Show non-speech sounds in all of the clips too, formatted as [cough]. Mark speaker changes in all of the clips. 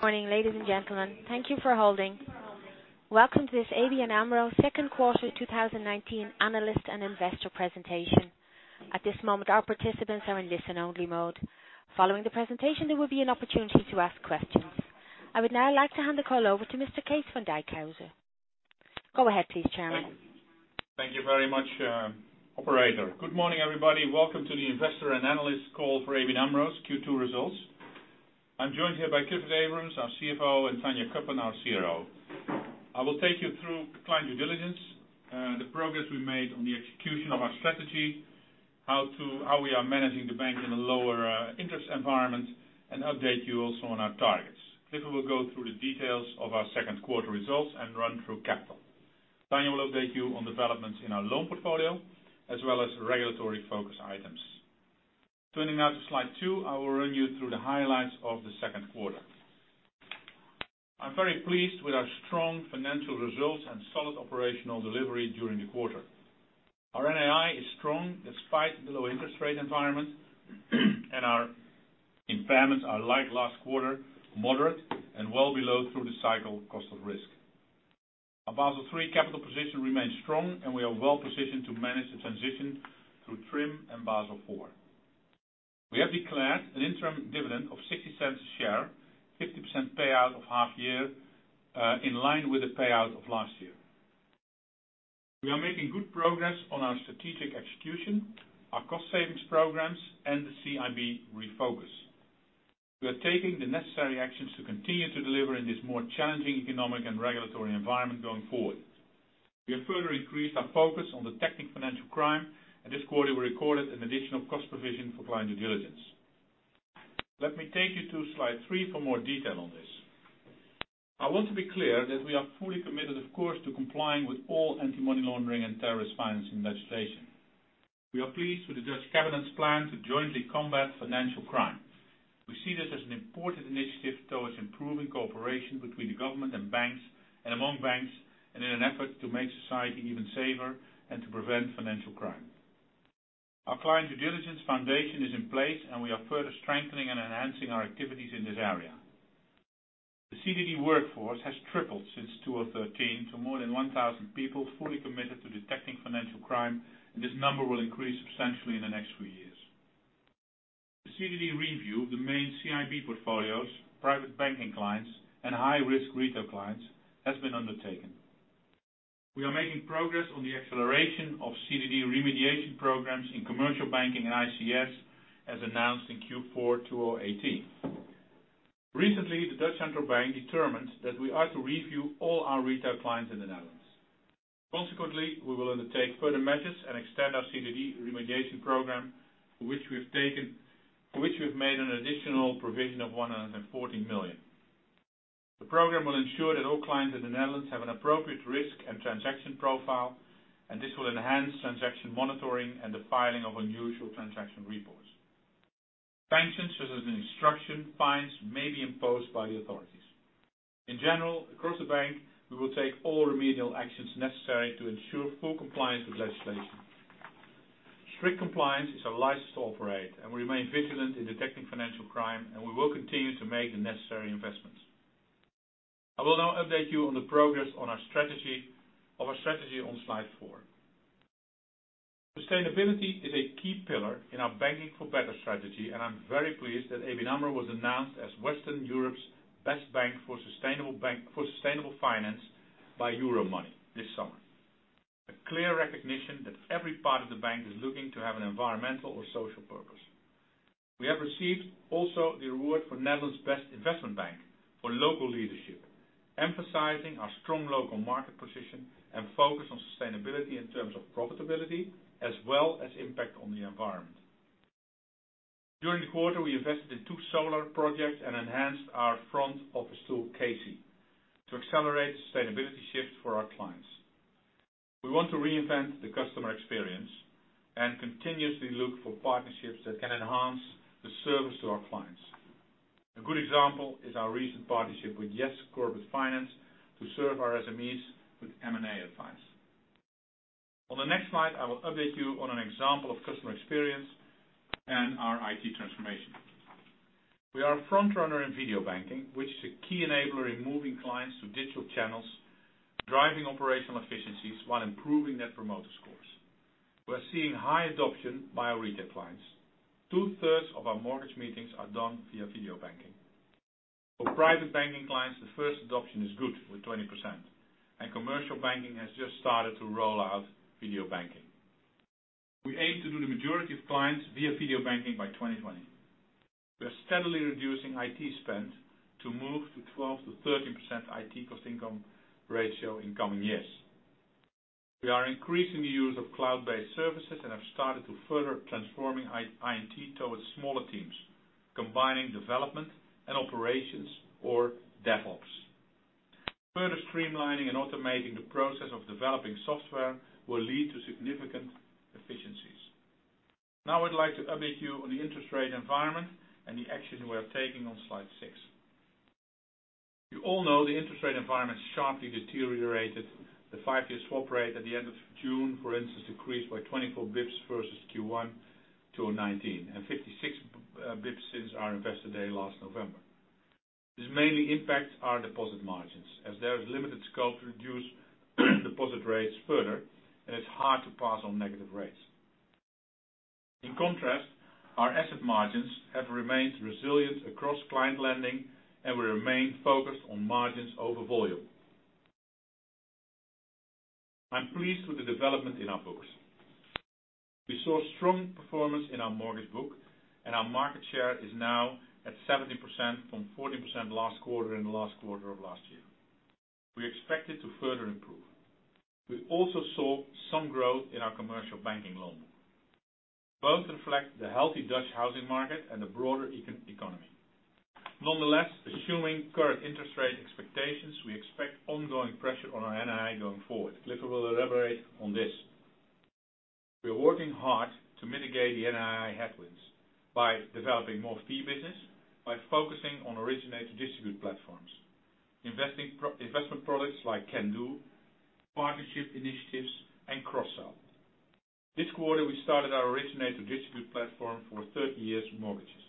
Speaker 1: Good morning, ladies and gentlemen. Thank you for holding. Welcome to this ABN AMRO Second Quarter 2019 Analyst and Investor Presentation. At this moment, our participants are in listen-only mode. Following the presentation, there will be an opportunity to ask questions. I would now like to hand the call over to Mr. Kees van Dijkhuizen. Go ahead please, Chairman.
Speaker 2: Thank you. Thank you very much, operator. Good morning, everybody. Welcome to the investor and analyst call for ABN AMRO's Q2 results. I'm joined here by Clifford Abrahams, our CFO, and Tanja Cuppen, our CRO. I will take you through client due diligence, the progress we made on the execution of our strategy, how we are managing the bank in a lower interest environment, and update you also on our targets. Clifford will go through the details of our second quarter results and run through capital. Tanja will update you on developments in our loan portfolio as well as regulatory focus items. Turning now to slide two, I will run you through the highlights of the second quarter. I'm very pleased with our strong financial results and solid operational delivery during the quarter. Our NII is strong despite the low interest rate environment and our impairments are like last quarter, moderate and well below through the cycle cost of risk. Our Basel III capital position remains strong, and we are well-positioned to manage the transition through TRIM and Basel IV. We have declared an interim dividend of 0.60 a share, 50% payout of half year, in line with the payout of last year. We are making good progress on our strategic execution, our cost savings programs, and the CIB refocus. We are taking the necessary actions to continue to deliver in this more challenging economic and regulatory environment going forward. We have further increased our focus on detecting financial crime, and this quarter we recorded an additional cost provision for client due diligence. Let me take you to slide three for more detail on this. I want to be clear that we are fully committed, of course, to complying with all anti-money laundering and terrorist financing legislation. We are pleased with the Dutch Cabinet's plan to jointly combat financial crime. We see this as an important initiative towards improving cooperation between the government and banks, and among banks, and in an effort to make society even safer and to prevent financial crime. Our client due diligence foundation is in place, and we are further strengthening and enhancing our activities in this area. The CDD workforce has tripled since 2013 to more than 1,000 people fully committed to detecting financial crime, and this number will increase substantially in the next few years. The CDD review of the main CIB portfolios, private banking clients, and high-risk retail clients has been undertaken. We are making progress on the acceleration of CDD remediation programs in commercial banking and ICS, as announced in Q4 2018. Recently, the Dutch Central Bank determined that we are to review all our retail clients in the Netherlands. We will undertake further measures and extend our CDD remediation program, for which we've made an additional provision of 114 million. The program will ensure that all clients in the Netherlands have an appropriate risk and transaction profile, and this will enhance transaction monitoring and the filing of unusual transaction reports. Sanctions such as instruction fines may be imposed by the authorities. In general, across the bank, we will take all remedial actions necessary to ensure full compliance with legislation. Strict compliance is our license to operate, and we remain vigilant in detecting financial crime. We will continue to make the necessary investments. I will now update you on the progress of our strategy on slide four. Sustainability is a key pillar in our Banking for Better strategy, and I'm very pleased that ABN AMRO was announced as Western Europe's best bank for sustainable finance by Euromoney this summer. A clear recognition that every part of the bank is looking to have an environmental or social purpose. We have received also the award for Netherlands Best Investment Bank for local leadership, emphasizing our strong local market position and focus on sustainability in terms of profitability as well as impact on the environment. During the quarter, we invested in two solar projects and enhanced our front office tool, Casey, to accelerate the sustainability shift for our clients. We want to reinvent the customer experience and continuously look for partnerships that can enhance the service to our clients. A good example is our recent partnership with YES Corporate Finance to serve our SMEs with M&A advice. On the next slide, I will update you on an example of customer experience and our IT transformation. We are a frontrunner in video banking, which is a key enabler in moving clients to digital channels, driving operational efficiencies while improving net promoter scores. We're seeing high adoption by our retail clients. 2/3 of our mortgage meetings are done via video banking. For private banking clients, the first adoption is good with 20%, and commercial banking has just started to roll out video banking. We aim to do the majority of clients via video banking by 2020. We are steadily reducing IT spend to move to 12%-13% IT cost income ratio in coming years. We are increasing the use of cloud-based services and have started to further transforming IT towards smaller teams, combining development and operations or DevOps. Further streamlining and automating the process of developing software will lead to significant efficiencies. Now I'd like to update you on the interest rate environment and the action we are taking on slide six. You all know the interest rate environment sharply deteriorated. The five-year swap rate at the end of June, for instance, decreased by 24 basis points versus Q1 2019, and 56 basis points since our investor day last November. This mainly impacts our deposit margins, as there is limited scope to reduce deposit rates further, and it's hard to pass on negative rates. In contrast, our asset margins have remained resilient across client lending, and we remain focused on margins over volume. I'm pleased with the development in our books. We saw strong performance in our mortgage book, and our market share is now at 17% from 14% last quarter in the last quarter of last year. We expect it to further improve. We also saw some growth in our commercial banking loan. Both reflect the healthy Dutch housing market and the broader economy. Nonetheless, assuming current interest rate expectations, we expect ongoing pressure on our NII going forward. Clifford will elaborate on this. We are working hard to mitigate the NII headwinds by developing more fee business, by focusing on originate to distribute platforms, investment products like Kendu, partnership initiatives, and cross-sell. This quarter, we started our originate to distribute platform for 30 years mortgages.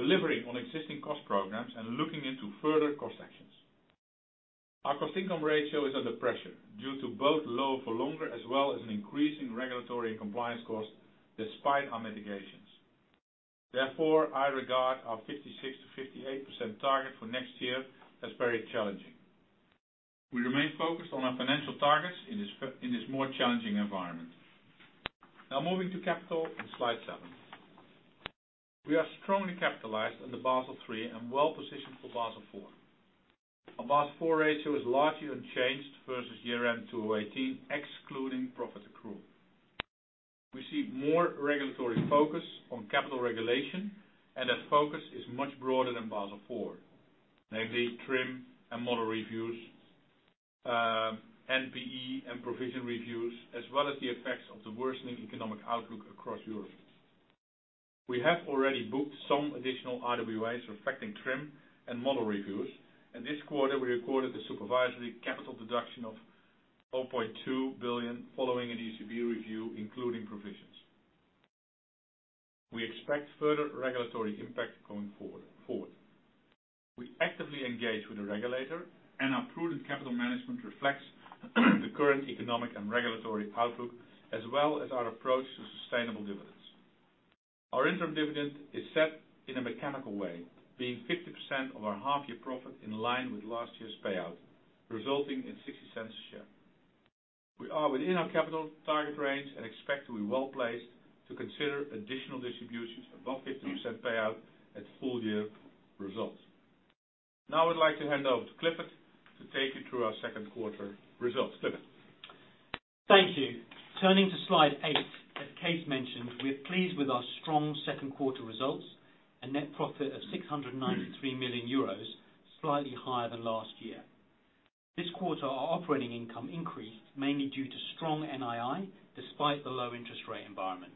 Speaker 2: Delivering on existing cost programs and looking into further cost actions. Our cost income ratio is under pressure due to both lower for longer as well as an increase in regulatory and compliance costs despite our mitigations. Therefore, I regard our 56%-58% target for next year as very challenging. We remain focused on our financial targets in this more challenging environment. Now moving to capital on slide seven. We are strongly capitalized under Basel III and well-positioned for Basel IV. Our Basel IV ratio is largely unchanged versus year-end 2018, excluding profit accrual. We see more regulatory focus on capital regulation, and that focus is much broader than Basel IV. Namely TRIM and model reviews, NPE and provision reviews, as well as the effects of the worsening economic outlook across Europe. We have already booked some additional RWAs reflecting TRIM and model reviews. This quarter we recorded the supervisory capital deduction of 1.2 billion following an ECB review, including provisions. We expect further regulatory impact going forward. We actively engage with the regulator. Our prudent capital management reflects the current economic and regulatory outlook as well as our approach to sustainable dividends. Our interim dividend is set in a mechanical way, being 50% of our half-year profit in line with last year's payout, resulting in 0.60 a share. We are within our capital target range. We expect to be well-placed to consider additional distributions above 50% payout at full-year results. Now I'd like to hand over to Clifford to take you through our second quarter results. Clifford?
Speaker 3: Thank you. Turning to slide eight, as Kees mentioned, we are pleased with our strong second quarter results and net profit of 693 million euros, slightly higher than last year. This quarter, our operating income increased mainly due to strong NII, despite the low interest rate environment.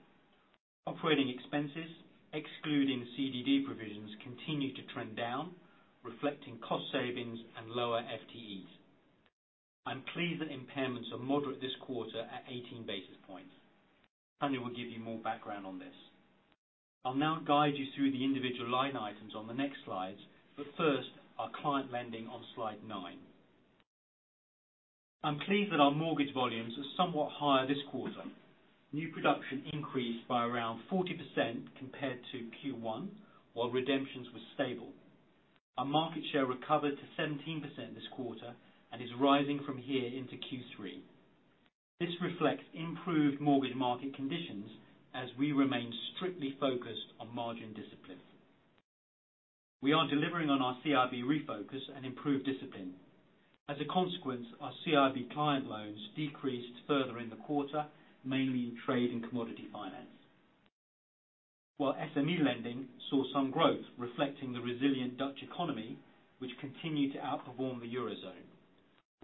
Speaker 3: Operating expenses, excluding CDD provisions, continued to trend down, reflecting cost savings and lower FTEs. I'm pleased that impairments are moderate this quarter at 18 basis points. Tanja will give you more background on this. I'll now guide you through the individual line items on the next slides, first, our client lending on slide nine. I'm pleased that our mortgage volumes are somewhat higher this quarter. New production increased by around 40% compared to Q1, while redemptions were stable. Our market share recovered to 17% this quarter and is rising from here into Q3. This reflects improved mortgage market conditions as we remain strictly focused on margin discipline. We are delivering on our CIB refocus and improved discipline. Our CIB client loans decreased further in the quarter, mainly in trade and commodity finance. SME lending saw some growth, reflecting the resilient Dutch economy, which continued to outperform the Eurozone.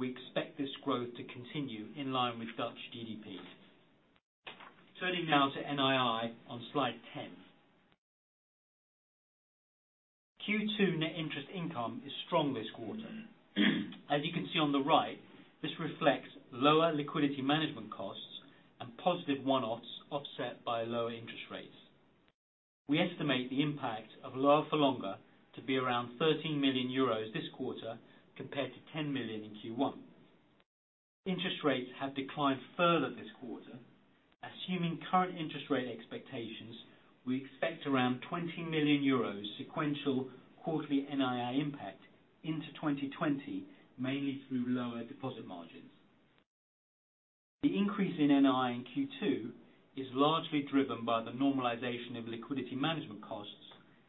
Speaker 3: We expect this growth to continue in line with Dutch GDP. Turning now to NII on slide 10. Q2 net interest income is strong this quarter. As you can see on the right, this reflects lower liquidity management costs and positive one-offs offset by lower interest rates. We estimate the impact of lower for longer to be around 13 million euros this quarter compared to 10 million in Q1. Interest rates have declined further this quarter. Assuming current interest rate expectations, we expect around EUR 20 million sequential quarterly NII impact into 2020, mainly through lower deposit margins. The increase in NII in Q2 is largely driven by the normalization of liquidity management costs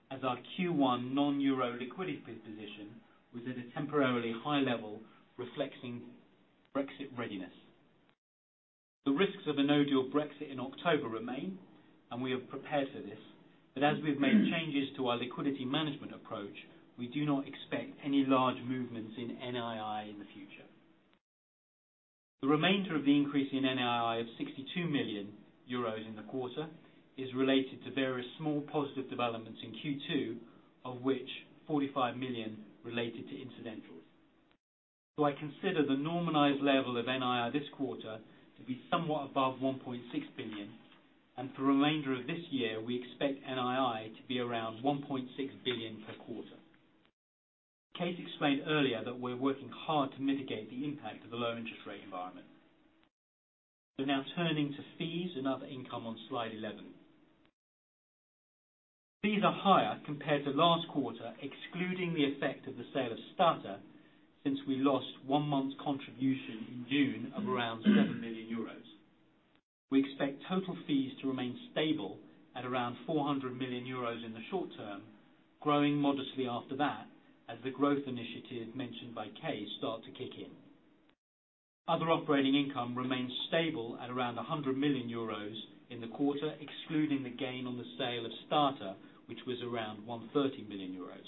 Speaker 3: as our Q1 non-euro liquidity position was at a temporarily high level, reflecting Brexit readiness. The risks of a no-deal Brexit in October remain. We are prepared for this. As we've made changes to our liquidity management approach, we do not expect any large movements in NII in the future. The remainder of the increase in NII of 62 million euros in the quarter is related to various small positive developments in Q2, of which 45 million related to incidentals. I consider the normalized level of NII this quarter to be somewhat above 1.6 billion, and for the remainder of this year, we expect NII to be around 1.6 billion per quarter. Kees explained earlier that we're working hard to mitigate the impact of the low interest rate environment. We're now turning to fees and other income on slide 11. Fees are higher compared to last quarter, excluding the effect of the sale of Stater, since we lost one month's contribution in June of around 7 million euros. We expect total fees to remain stable at around 400 million euros in the short term, growing modestly after that, as the growth initiatives mentioned by Kees start to kick in. Other operating income remains stable at around 100 million euros in the quarter, excluding the gain on the sale of Stater, which was around 130 million euros.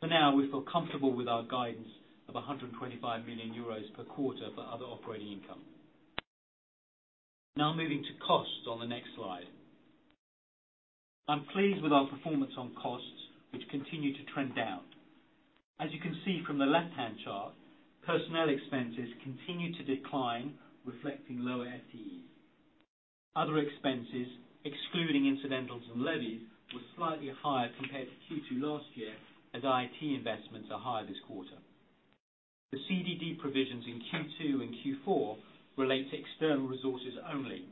Speaker 3: For now, we feel comfortable with our guidance of 125 million euros per quarter for other operating income. Moving to costs on the next slide. I'm pleased with our performance on costs, which continue to trend down. As you can see from the left-hand chart, personnel expenses continue to decline, reflecting lower FTEs. Other expenses, excluding incidentals and levies, were slightly higher compared to Q2 last year, as IT investments are higher this quarter. The CDD provisions in Q2 and Q4 relate to external resources only.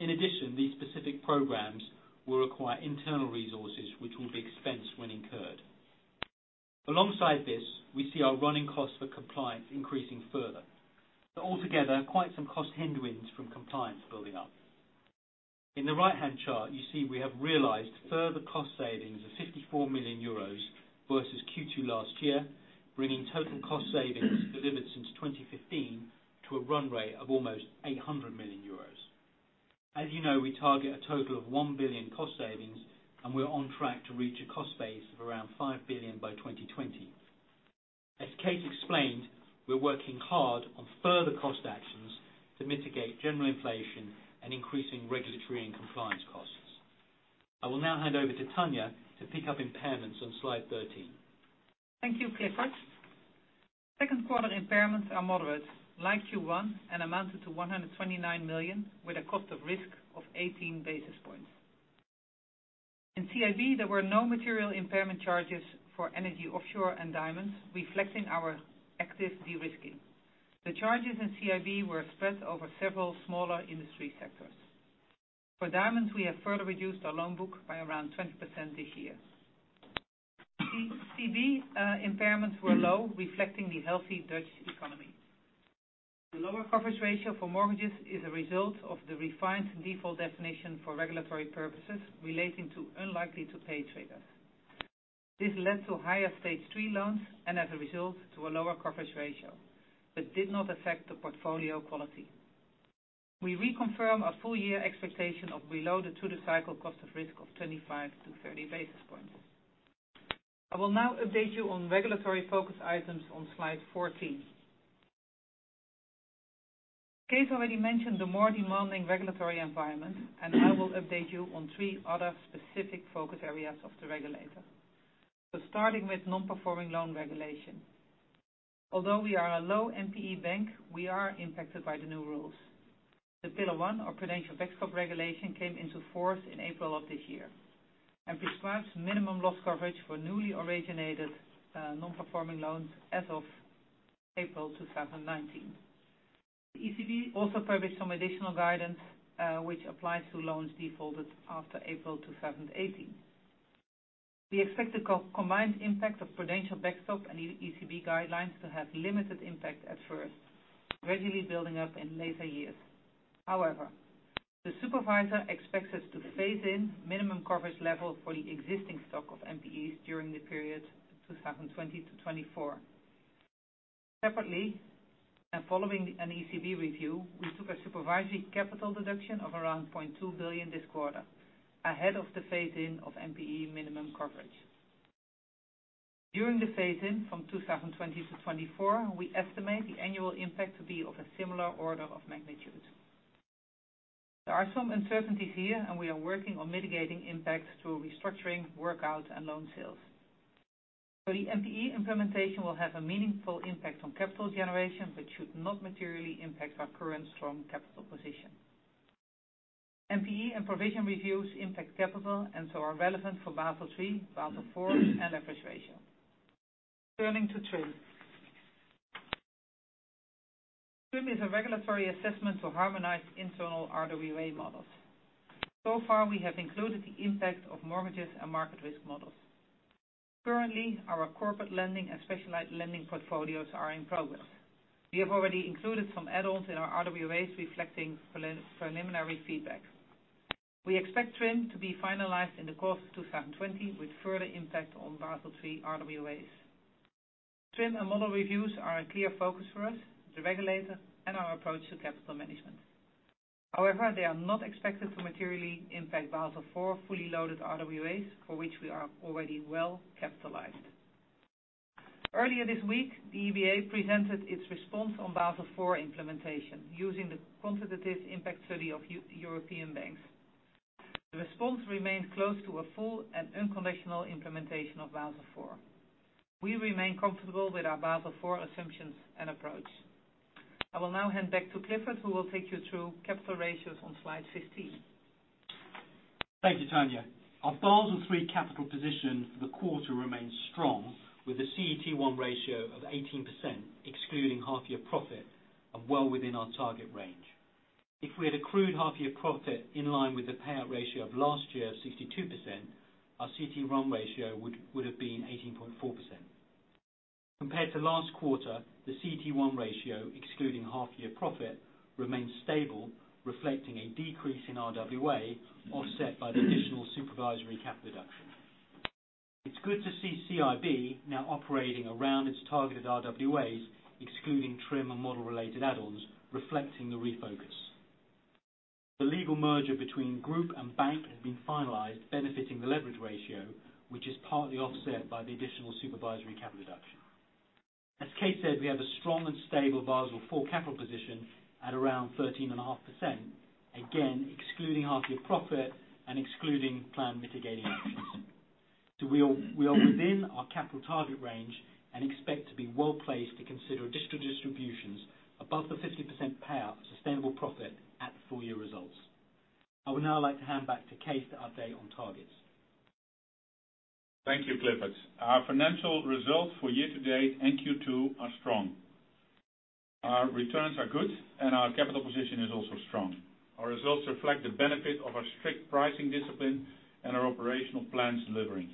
Speaker 3: In addition, these specific programs will require internal resources, which will be expensed when incurred. Alongside this, we see our running costs for compliance increasing further. Altogether, quite some cost headwinds from compliance building up. In the right-hand chart, you see we have realized further cost savings of 54 million euros versus Q2 last year, bringing total cost savings delivered since 2015 to a run rate of almost 800 million euros. As you know, we target a total of 1 billion cost savings, and we're on track to reach a cost base of around 5 billion by 2020. As Kees explained, we're working hard on further cost actions to mitigate general inflation and increasing regulatory and compliance costs. I will now hand over to Tanja to pick up impairments on slide 13.
Speaker 4: Thank you, Clifford. Second quarter impairments are moderate, like Q1, and amounted to 129 million, with a cost of risk of 18 basis points. In CIB, there were no material impairment charges for energy offshore and diamonds, reflecting our active de-risking. The charges in CIB were spread over several smaller industry sectors. For diamonds, we have further reduced our loan book by around 20% this year. CIB impairments were low, reflecting the healthy Dutch economy. The lower coverage ratio for mortgages is a result of the refined default definition for regulatory purposes relating to unlikely-to-pay traders. This led to higher stage three loans and, as a result, to a lower coverage ratio, but did not affect the portfolio quality. We reconfirm our full-year expectation of below the through-the-cycle cost of risk of 25-30 basis points. I will now update you on regulatory focus items on slide 14. Kees already mentioned the more demanding regulatory environment, and I will update you on three other specific focus areas of the regulator. Starting with non-performing loan regulation. Although we are a low NPE bank, we are impacted by the new rules. The Pillar 1 or Prudential Backstop regulation came into force in April of this year and prescribes minimum loss coverage for newly originated non-performing loans as of April 2019. The ECB also published some additional guidance, which applies to loans defaulted after April 2018. We expect the combined impact of Prudential Backstop and ECB guidelines to have limited impact at first, gradually building up in later years. However, the supervisor expects us to phase in minimum coverage level for the existing stock of NPEs during the period 2020-2024. Separately, and following an ECB review, we took a supervisory capital deduction of around 0.2 billion this quarter, ahead of the phase-in of NPE minimum coverage. During the phase-in from 2020-2024, we estimate the annual impact to be of a similar order of magnitude. There are some uncertainties here, and we are working on mitigating impacts through restructuring, workouts, and loan sales. The NPE implementation will have a meaningful impact on capital generation, but should not materially impact our current strong capital position. NPE and provision reviews impact capital and so are relevant for Basel III, Basel IV, and leverage ratio. Turning to TRIM. TRIM is a regulatory assessment to harmonize internal RWA models. So far, we have included the impact of mortgages and market risk models. Currently, our corporate lending and specialized lending portfolios are in progress. We have already included some add-ons in our RWAs reflecting preliminary feedback. We expect TRIM to be finalized in the course of 2020 with further impact on Basel III RWAs. TRIM and model reviews are a clear focus for us, the regulator, and our approach to capital management. However, they are not expected to materially impact Basel IV fully loaded RWAs, for which we are already well capitalized. Earlier this week, the EBA presented its response on Basel IV implementation using the quantitative impact study of European banks. The response remains close to a full and unconditional implementation of Basel IV. We remain comfortable with our Basel IV assumptions and approach. I will now hand back to Clifford, who will take you through capital ratios on slide 15.
Speaker 3: Thank you, Tanja. Our Basel III capital position for the quarter remains strong with a CET1 ratio of 18%, excluding half-year profit, and well within our target range. If we had accrued half-year profit in line with the payout ratio of last year of 62%, our CET1 ratio would have been 18.4%. Compared to last quarter, the CET1 ratio, excluding half-year profit, remains stable, reflecting a decrease in RWA offset by the additional supervisory capital reduction. It's good to see CIB now operating around its targeted RWAs, excluding TRIM and model-related add-ons, reflecting the refocus. The legal merger between group and bank has been finalized, benefiting the leverage ratio, which is partly offset by the additional supervisory capital reduction. As Kees said, we have a strong and stable Basel IV capital position at around 13.5%, again, excluding half-year profit and excluding planned mitigating actions. We are within our capital target range and expect to be well-placed to consider additional distributions above the 50% payout sustainable profit at full-year results. I would now like to hand back to Kees to update on targets.
Speaker 2: Thank you, Clifford. Our financial results for year to date and Q2 are strong. Our returns are good, and our capital position is also strong. Our results reflect the benefit of our strict pricing discipline and our operational plans delivering.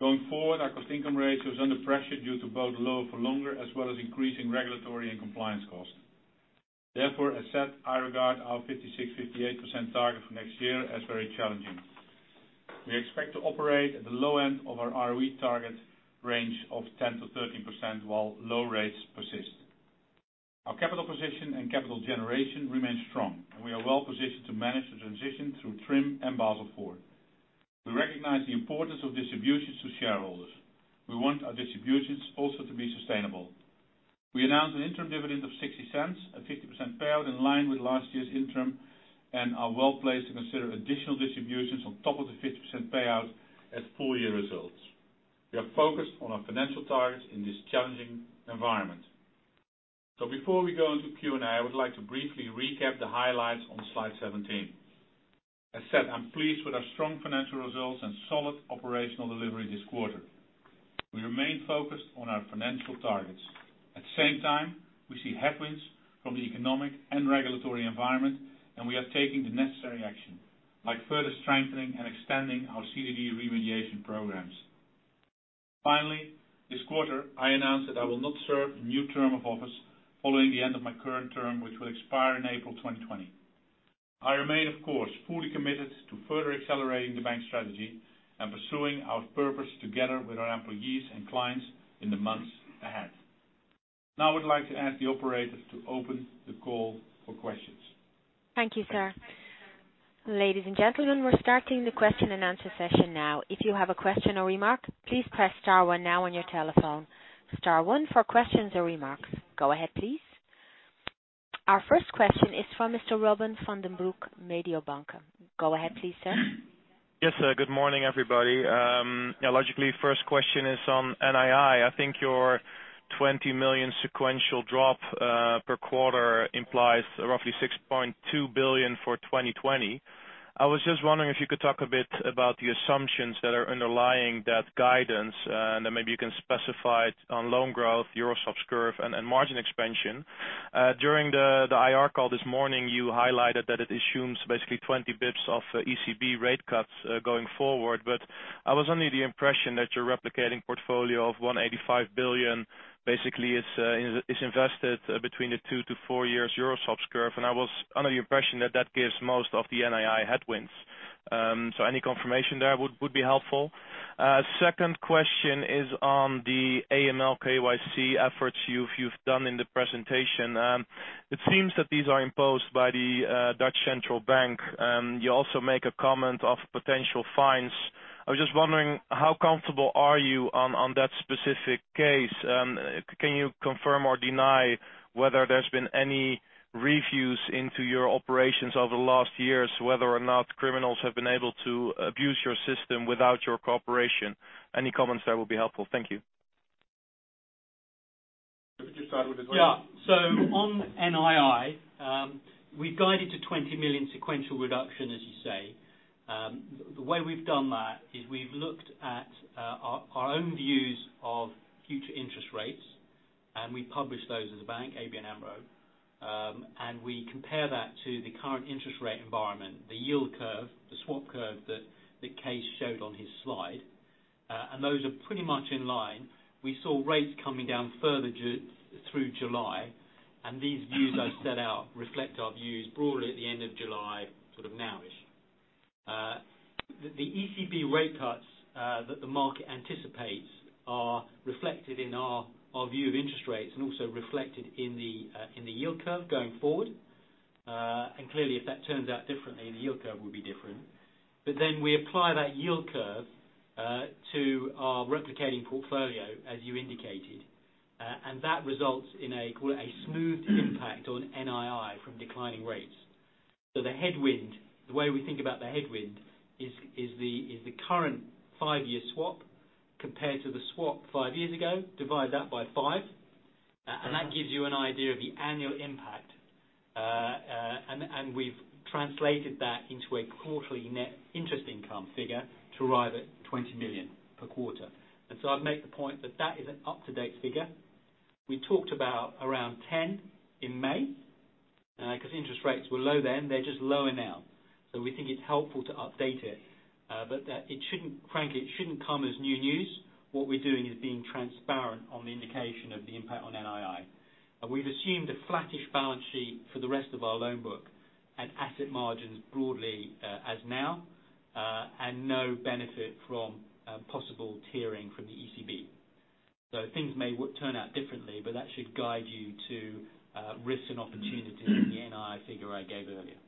Speaker 2: Going forward, our cost income ratio is under pressure due to both lower for longer, as well as increasing regulatory and compliance costs. Therefore, as said, I regard our 56%-58% target for next year as very challenging. We expect to operate at the low end of our ROE target range of 10%-13% while low rates persist. Our capital position and capital generation remain strong, and we are well positioned to manage the transition through TRIM and Basel IV. We recognize the importance of distributions to shareholders. We want our distributions also to be sustainable. We announced an interim dividend of 0.60, a 50% payout in line with last year's interim, and are well-placed to consider additional distributions on top of the 50% payout at full-year results. We are focused on our financial targets in this challenging environment. Before we go into Q&A, I would like to briefly recap the highlights on slide 17. As said, I'm pleased with our strong financial results and solid operational delivery this quarter. We remain focused on our financial targets. At the same time, we see headwinds from the economic and regulatory environment, and we are taking the necessary action, like further strengthening and extending our CDD remediation programs. Finally, this quarter, I announced that I will not serve a new term of office following the end of my current term, which will expire in April 2020. I remain, of course, fully committed to further accelerating the bank strategy and pursuing our purpose together with our employees and clients in the months ahead. Now I would like to ask the operators to open the call for questions.
Speaker 1: Thank you, sir. Ladies and gentlemen, we're starting the question and answer session now. If you have a question or remark, please press star one now on your telephone. Star one for questions or remarks. Go ahead, please. Our first question is from Mr. Robin van den Broek, Mediobanca. Go ahead please, sir.
Speaker 5: Yes, good morning, everybody. Logically, first question is on NII. I think your 20 million sequential drop per quarter implies roughly 6.2 billion for 2020. I was just wondering if you could talk a bit about the assumptions that are underlying that guidance, and then maybe you can specify it on loan growth, Euroswaps curve, and margin expansion. During the IR call this morning, you highlighted that it assumes basically 20 basis points of ECB rate cuts going forward. I was under the impression that your replicating portfolio of 185 billion basically is invested between the two-four years Euroswaps curve. I was under the impression that that gives most of the NII headwinds. Any confirmation there would be helpful. Second question is on the AML KYC efforts you've done in the presentation. It seems that these are imposed by Dutch Central Bank. You also make a comment of potential fines. I was just wondering how comfortable are you on that specific case. Can you confirm or deny whether there has been any reviews into your operations over the last years, whether or not criminals have been able to abuse your system without your cooperation? Any comments there will be helpful. Thank you.
Speaker 2: Maybe to start with as well.
Speaker 3: On NII, we guided to 20 million sequential reduction, as you say. The way we've done that is we've looked at our own views of future interest rates. We publish those as a bank, ABN AMRO. We compare that to the current interest rate environment, the yield curve, the swap curve that Kees showed on his slide. Those are pretty much in line. We saw rates coming down further through July. These views I've set out reflect our views broadly at the end of July, sort of now-ish. The ECB rate cuts that the market anticipates are reflected in our view of interest rates and also reflected in the yield curve going forward. Clearly, if that turns out differently, the yield curve will be different. We apply that yield curve to our replicating portfolio, as you indicated. That results in a, call it, a smoothed impact on NII from declining rates. So the way we think about the headwind is the current five-year swap compared to the swap five years ago, divide that by five, and that gives you an idea of the annual impact. We've translated that into a quarterly net interest income figure to arrive at 20 million per quarter. I'd make the point that that is an up-to-date figure. We talked about around 10 in May, because interest rates were low then. They're just lower now. So we think it's helpful to update it. But frankly, it shouldn't come as new news. What we're doing is being transparent on the indication of the impact on NII. We've assumed a flattish balance sheet for the rest of our loan book and asset margins broadly as now, and no benefit from possible tiering from the ECB. Things may turn out differently, but that should guide you to risks and opportunities in the NII figure I gave earlier.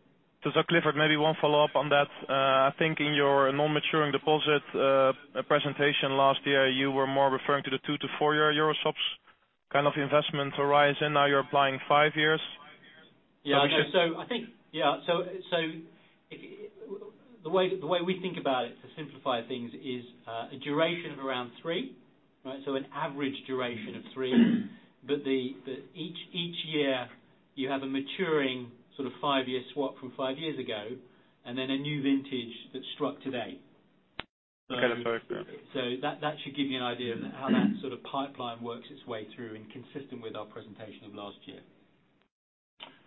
Speaker 5: Clifford, maybe one follow-up on that. I think in your non-maturing deposit presentation last year, you were more referring to the two-four-year Euroswaps kind of investment horizon. Now you're applying five years.
Speaker 3: Yeah. The way we think about it, to simplify things, is a duration of around three. An average duration of three. Each year you have a maturing five-year swap from five years ago and then a new vintage that's struck today.
Speaker 5: Okay. Sorry.
Speaker 3: That should give you an idea of how that pipeline works its way through and consistent with our presentation of last year.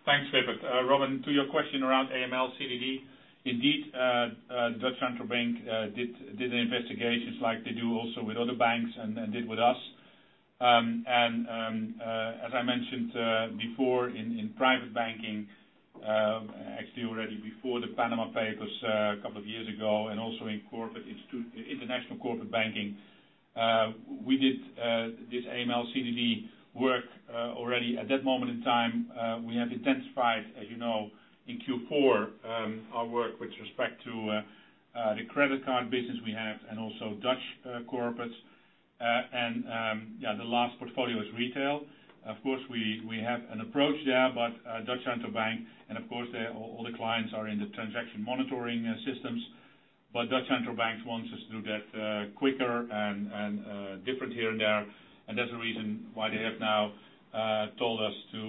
Speaker 2: Thanks, Clifford. Robin, to your question around AML/CDD. Indeed, Dutch Central Bank did the investigations like they do also with other banks and did with us. As I mentioned before in private banking, actually already before the Panama Papers a couple of years ago and also in international corporate banking, we did this AML/CDD work already at that moment in time. We have intensified, as you know, in Q4 our work with respect to the credit card business we have and also Dutch corporates. The last portfolio is retail. Of course, we have an approach there, Dutch Central Bank and, of course, all the clients are in the transaction monitoring systems. Dutch Central Bank wants us to do that quicker and different here and there. That's the reason why they have now told us to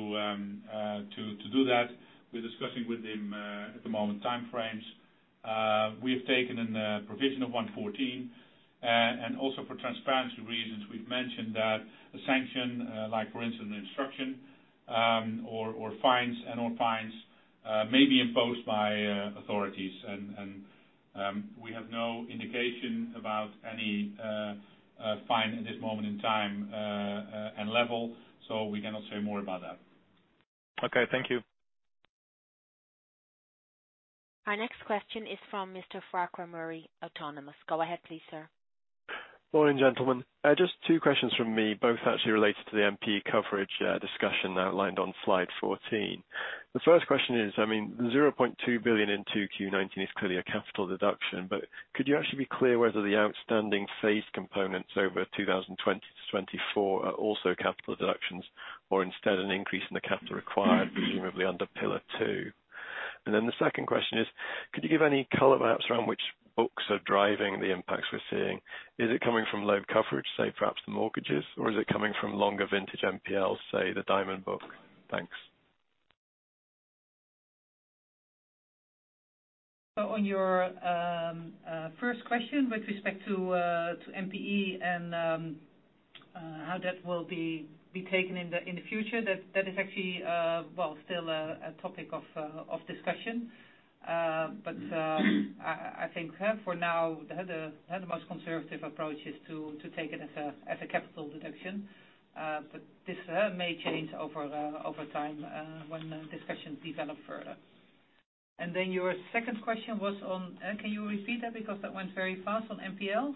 Speaker 2: do that. We're discussing with them at the moment time frames. We have taken a provision of 114. Also for transparency reasons, we've mentioned that a sanction, for instance, an instruction or fines and/or fines may be imposed by authorities. We have no indication about any fine at this moment in time and level, we cannot say more about that.
Speaker 5: Okay. Thank you.
Speaker 1: Our next question is from Mr. Farquhar Murray, Autonomous. Go ahead, please, sir.
Speaker 6: Morning, gentlemen. Just two questions from me, both actually related to the NPE coverage discussion outlined on slide 14. The first question is, the 0.2 billion in 2Q 2019 is clearly a capital deduction, could you actually be clear whether the outstanding phase components over 2020-2024 are also capital deductions or instead an increase in the capital required, presumably under Pillar 2? The second question is, could you give any color perhaps around which books are driving the impacts we're seeing? Is it coming from low coverage, say perhaps the mortgages, or is it coming from longer vintage NPLs, say the diamond book? Thanks.
Speaker 4: On your first question with respect to NPE and how that will be taken in the future, that is actually, well, still a topic of discussion. I think for now, the most conservative approach is to take it as a capital deduction. This may change over time when discussions develop further. Your second question was on Can you repeat that because that went very fast on NPL?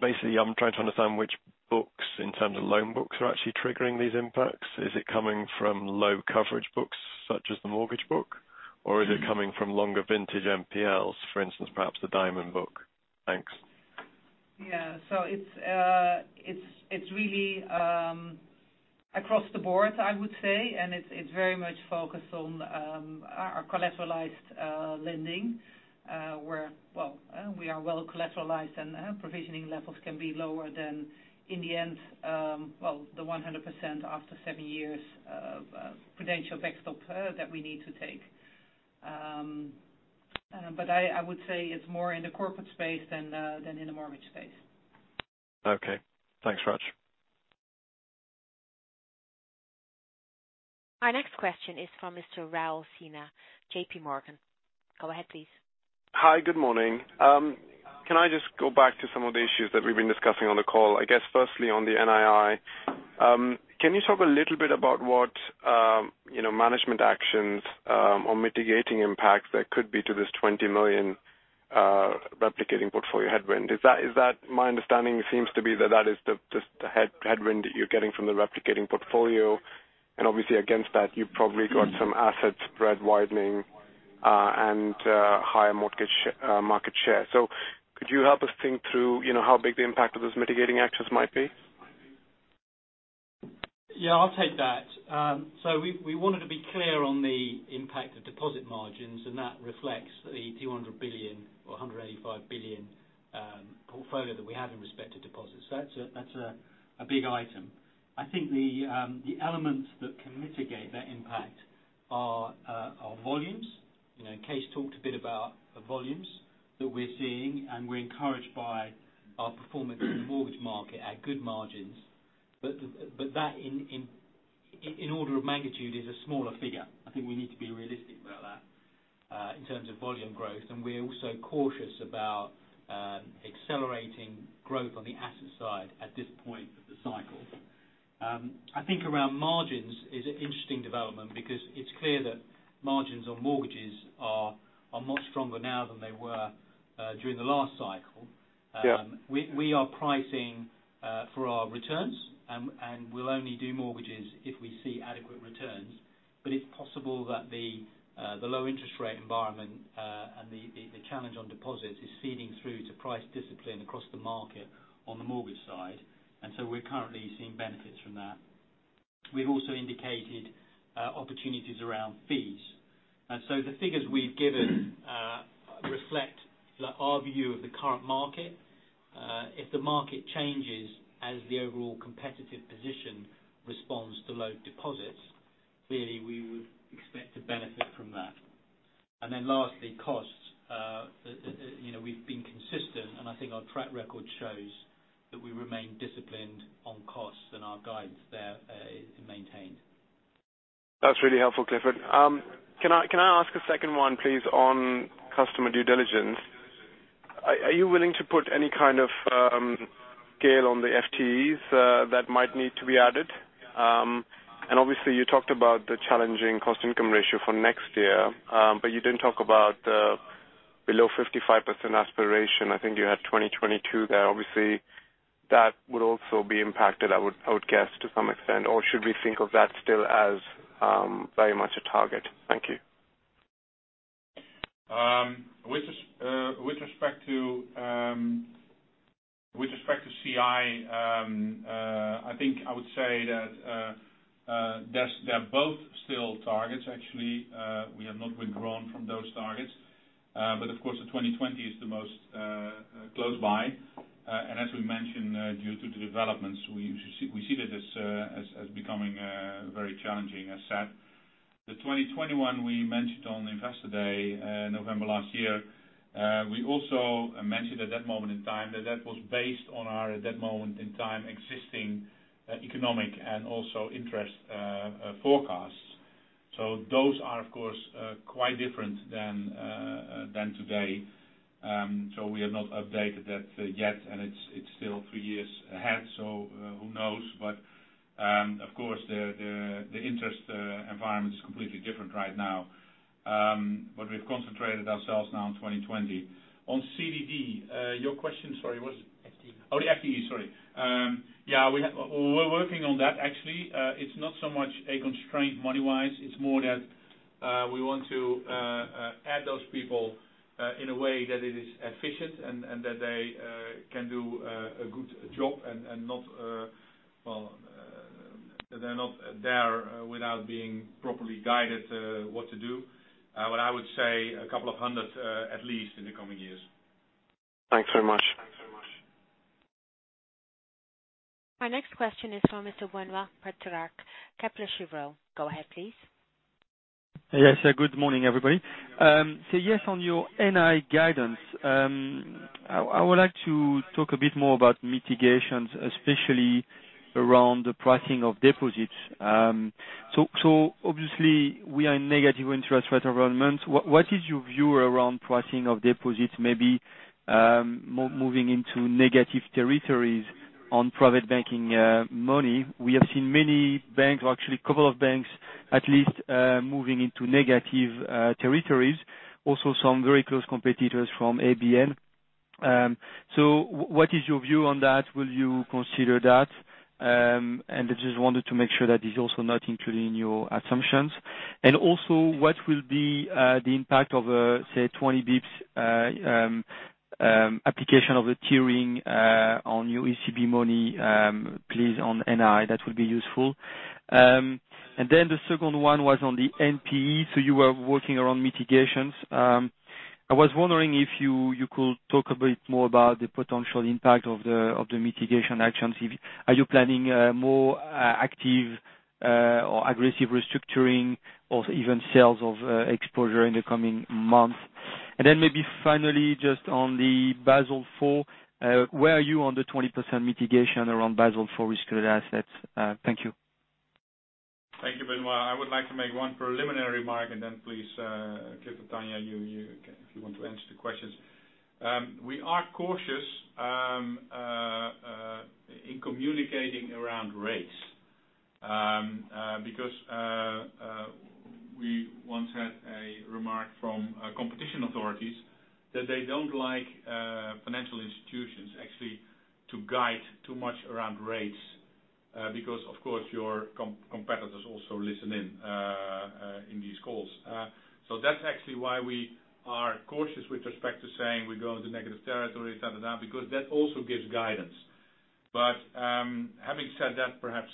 Speaker 6: Basically, I'm trying to understand which books, in terms of loan books, are actually triggering these impacts. Is it coming from low coverage books such as the mortgage book, or is it coming from longer vintage NPLs, for instance, perhaps the diamond book? Thanks.
Speaker 4: It's really across the board, I would say, and it's very much focused on our collateralized lending, where we are well collateralized and provisioning levels can be lower than in the end, well, the 100% after seven years of Prudential Backstop that we need to take. I would say it's more in the corporate space than in the mortgage space.
Speaker 6: Okay. Thanks very much.
Speaker 1: Our next question is from Mr. Raul Sinha, JPMorgan. Go ahead, please.
Speaker 7: Hi. Good morning. Can I just go back to some of the issues that we've been discussing on the call? I guess firstly on the NII. Can you talk a little bit about what management actions or mitigating impacts there could be to this 20 million replicating portfolio headwind. My understanding seems to be that is the headwind that you're getting from the replicating portfolio, and obviously against that, you've probably got some asset spread widening and higher market share. Could you help us think through how big the impact of those mitigating actions might be?
Speaker 3: Yeah, I'll take that. We wanted to be clear on the impact of deposit margins, and that reflects the 200 billion or 185 billion portfolio that we have in respect to deposits. That's a big item. I think the elements that can mitigate that impact are volumes. Kees talked a bit about the volumes that we're seeing, and we're encouraged by our performance in the mortgage market at good margins. That in order of magnitude is a smaller figure. I think we need to be realistic about that in terms of volume growth, and we're also cautious about accelerating growth on the asset side at this point of the cycle. I think around margins is an interesting development because it's clear that margins on mortgages are much stronger now than they were during the last cycle.
Speaker 7: Yeah.
Speaker 3: We are pricing for our returns, and we'll only do mortgages if we see adequate returns. It's possible that the low interest rate environment, and the challenge on deposits is feeding through to price discipline across the market on the mortgage side. We're currently seeing benefits from that. We've also indicated opportunities around fees. The figures we've given reflect our view of the current market. If the market changes as the overall competitive position responds to low deposits, clearly we would expect to benefit from that. Lastly, costs. We've been consistent, and I think our track record shows that we remain disciplined on costs and our guides there maintained.
Speaker 7: That's really helpful, Clifford. Can I ask a second one, please, on customer due diligence? Are you willing to put any kind of scale on the FTEs that might need to be added? Obviously, you talked about the challenging cost-income ratio for next year. You didn't talk about the below 55% aspiration. I think you had 2022 there. Obviously, that would also be impacted, I would guess, to some extent. Should we think of that still as very much a target? Thank you.
Speaker 3: With respect to CI, I think I would say that they are both still targets, actually. We have not withdrawn from those targets. Of course, the 2020 is the most close by. As we mentioned, due to the developments, we see that as becoming very challenging, as said. The 2021 we mentioned on Investor Day, November last year. We also mentioned at that moment in time that was based on our, at that moment in time, existing economic and also interest forecasts. Those are, of course, quite different than today. We have not updated that yet, and it is still three years ahead, who knows. Of course, the interest environment is completely different right now. We have concentrated ourselves now on 2020. On CDD, your question, sorry, was.
Speaker 7: FTE.
Speaker 2: The FTE. Sorry. Yeah, we're working on that, actually. It's not so much a constraint money-wise. It's more that we want to add those people in a way that it is efficient and that they can do a good job and they're not there without being properly guided what to do. I would say a couple of hundred at least in the coming years.
Speaker 7: Thanks very much.
Speaker 1: Our next question is from Mr. Benoît Pétrarque, Kepler Cheuvreux. Go ahead, please.
Speaker 8: Yes, good morning, everybody. Yes, on your NI guidance, I would like to talk a bit more about mitigations, especially around the pricing of deposits. Obviously, we are in negative interest rate environment. What is your view around pricing of deposits, maybe moving into negative territories on private banking money? We have seen many banks, or actually a couple of banks at least, moving into negative territories. Also, some very close competitors from ABN. What is your view on that? Will you consider that? I just wanted to make sure that is also not included in your assumptions. Also, what will be the impact of, say, 20 basis points application of the tiering on your ECB money, please, on NI? That would be useful. The second one was on the NPE. You were working around mitigations. I was wondering if you could talk a bit more about the potential impact of the mitigation actions. Are you planning a more active or aggressive restructuring or even sales of exposure in the coming months? Maybe finally, just on the Basel IV. Where are you on the 20% mitigation around Basel IV risk-weighted assets? Thank you.
Speaker 2: Thank you, Benoît. I would like to make one preliminary remark, and then please, Clifford, Tanja, if you want to answer the questions. We are cautious in communicating around rates. Because we once had a remark from competition authorities that they don't like financial institutions actually to guide too much around rates because, of course, your competitors also listen in these calls. That's actually why we are cautious with respect to saying we go into negative territory because that also gives guidance. Having said that, perhaps,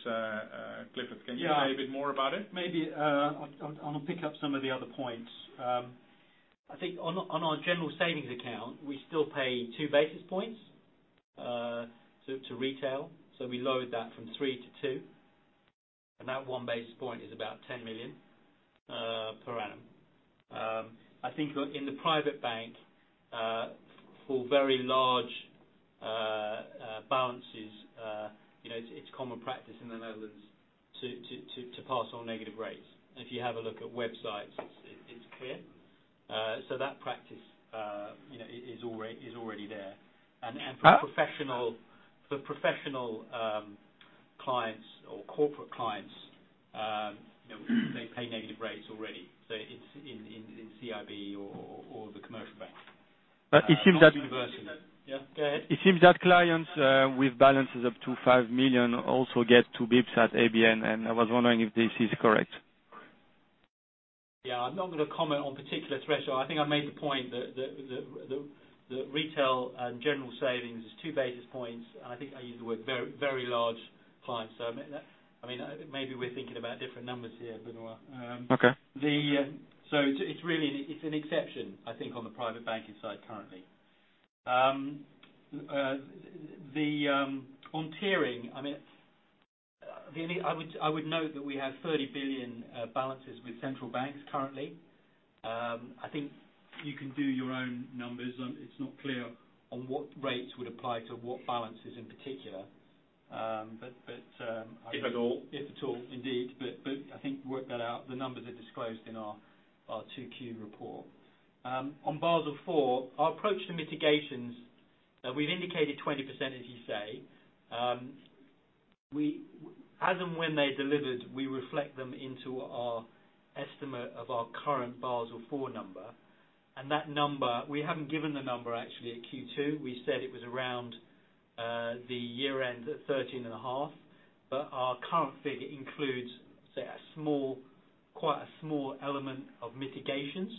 Speaker 2: Clifford, can you say a bit more about it?
Speaker 3: Maybe I'll pick up some of the other points. I think on our general savings account, we still pay two basis points to retail. We lowered that from three to two, and that one basis point is about 10 million per annum. I think in the private bank for very large balances, it's common practice in the Netherlands to pass on negative rates. If you have a look at websites, it's clear. That practice is already there. For professional clients or corporate clients, they pay negative rates already, so in CIB or the Commercial Bank.
Speaker 8: It seems that-
Speaker 3: Yeah. Go ahead.
Speaker 8: It seems that clients with balances up to 5 million also get two basis points at ABN, and I was wondering if this is correct.
Speaker 3: Yeah. I'm not going to comment on particular threshold. I think I made the point that retail and general savings is two basis points, and I think I used the word very large clients. Maybe we're thinking about different numbers here, Benoît.
Speaker 8: Okay.
Speaker 3: It's an exception, I think, on the private banking side currently. On tiering, I would note that we have 30 billion balances with central banks currently. I think you can do your own numbers. It's not clear on what rates would apply to what balances in particular.
Speaker 8: If at all.
Speaker 3: If at all, indeed. I think work that out, the numbers are disclosed in our 2Q report. On Basel IV, our approach to mitigations, we've indicated 20%, as you say. As and when they're delivered, we reflect them into our estimate of our current Basel IV number, and that number, we haven't given the number actually at Q2. We said it was around the year end at 13.5%. Our current figure includes, say, quite a small element of mitigations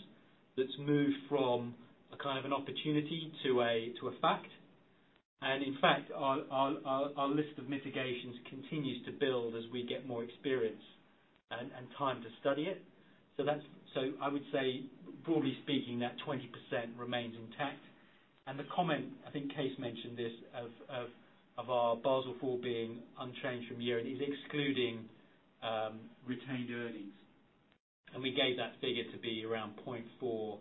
Speaker 3: that's moved from a kind of an opportunity to a fact. In fact, our list of mitigations continues to build as we get more experience and time to study it. I would say, broadly speaking, that 20% remains intact. The comment, I think Kees mentioned this, of our Basel IV being unchanged from year-end is excluding retained earnings. We gave that figure to be around 0.4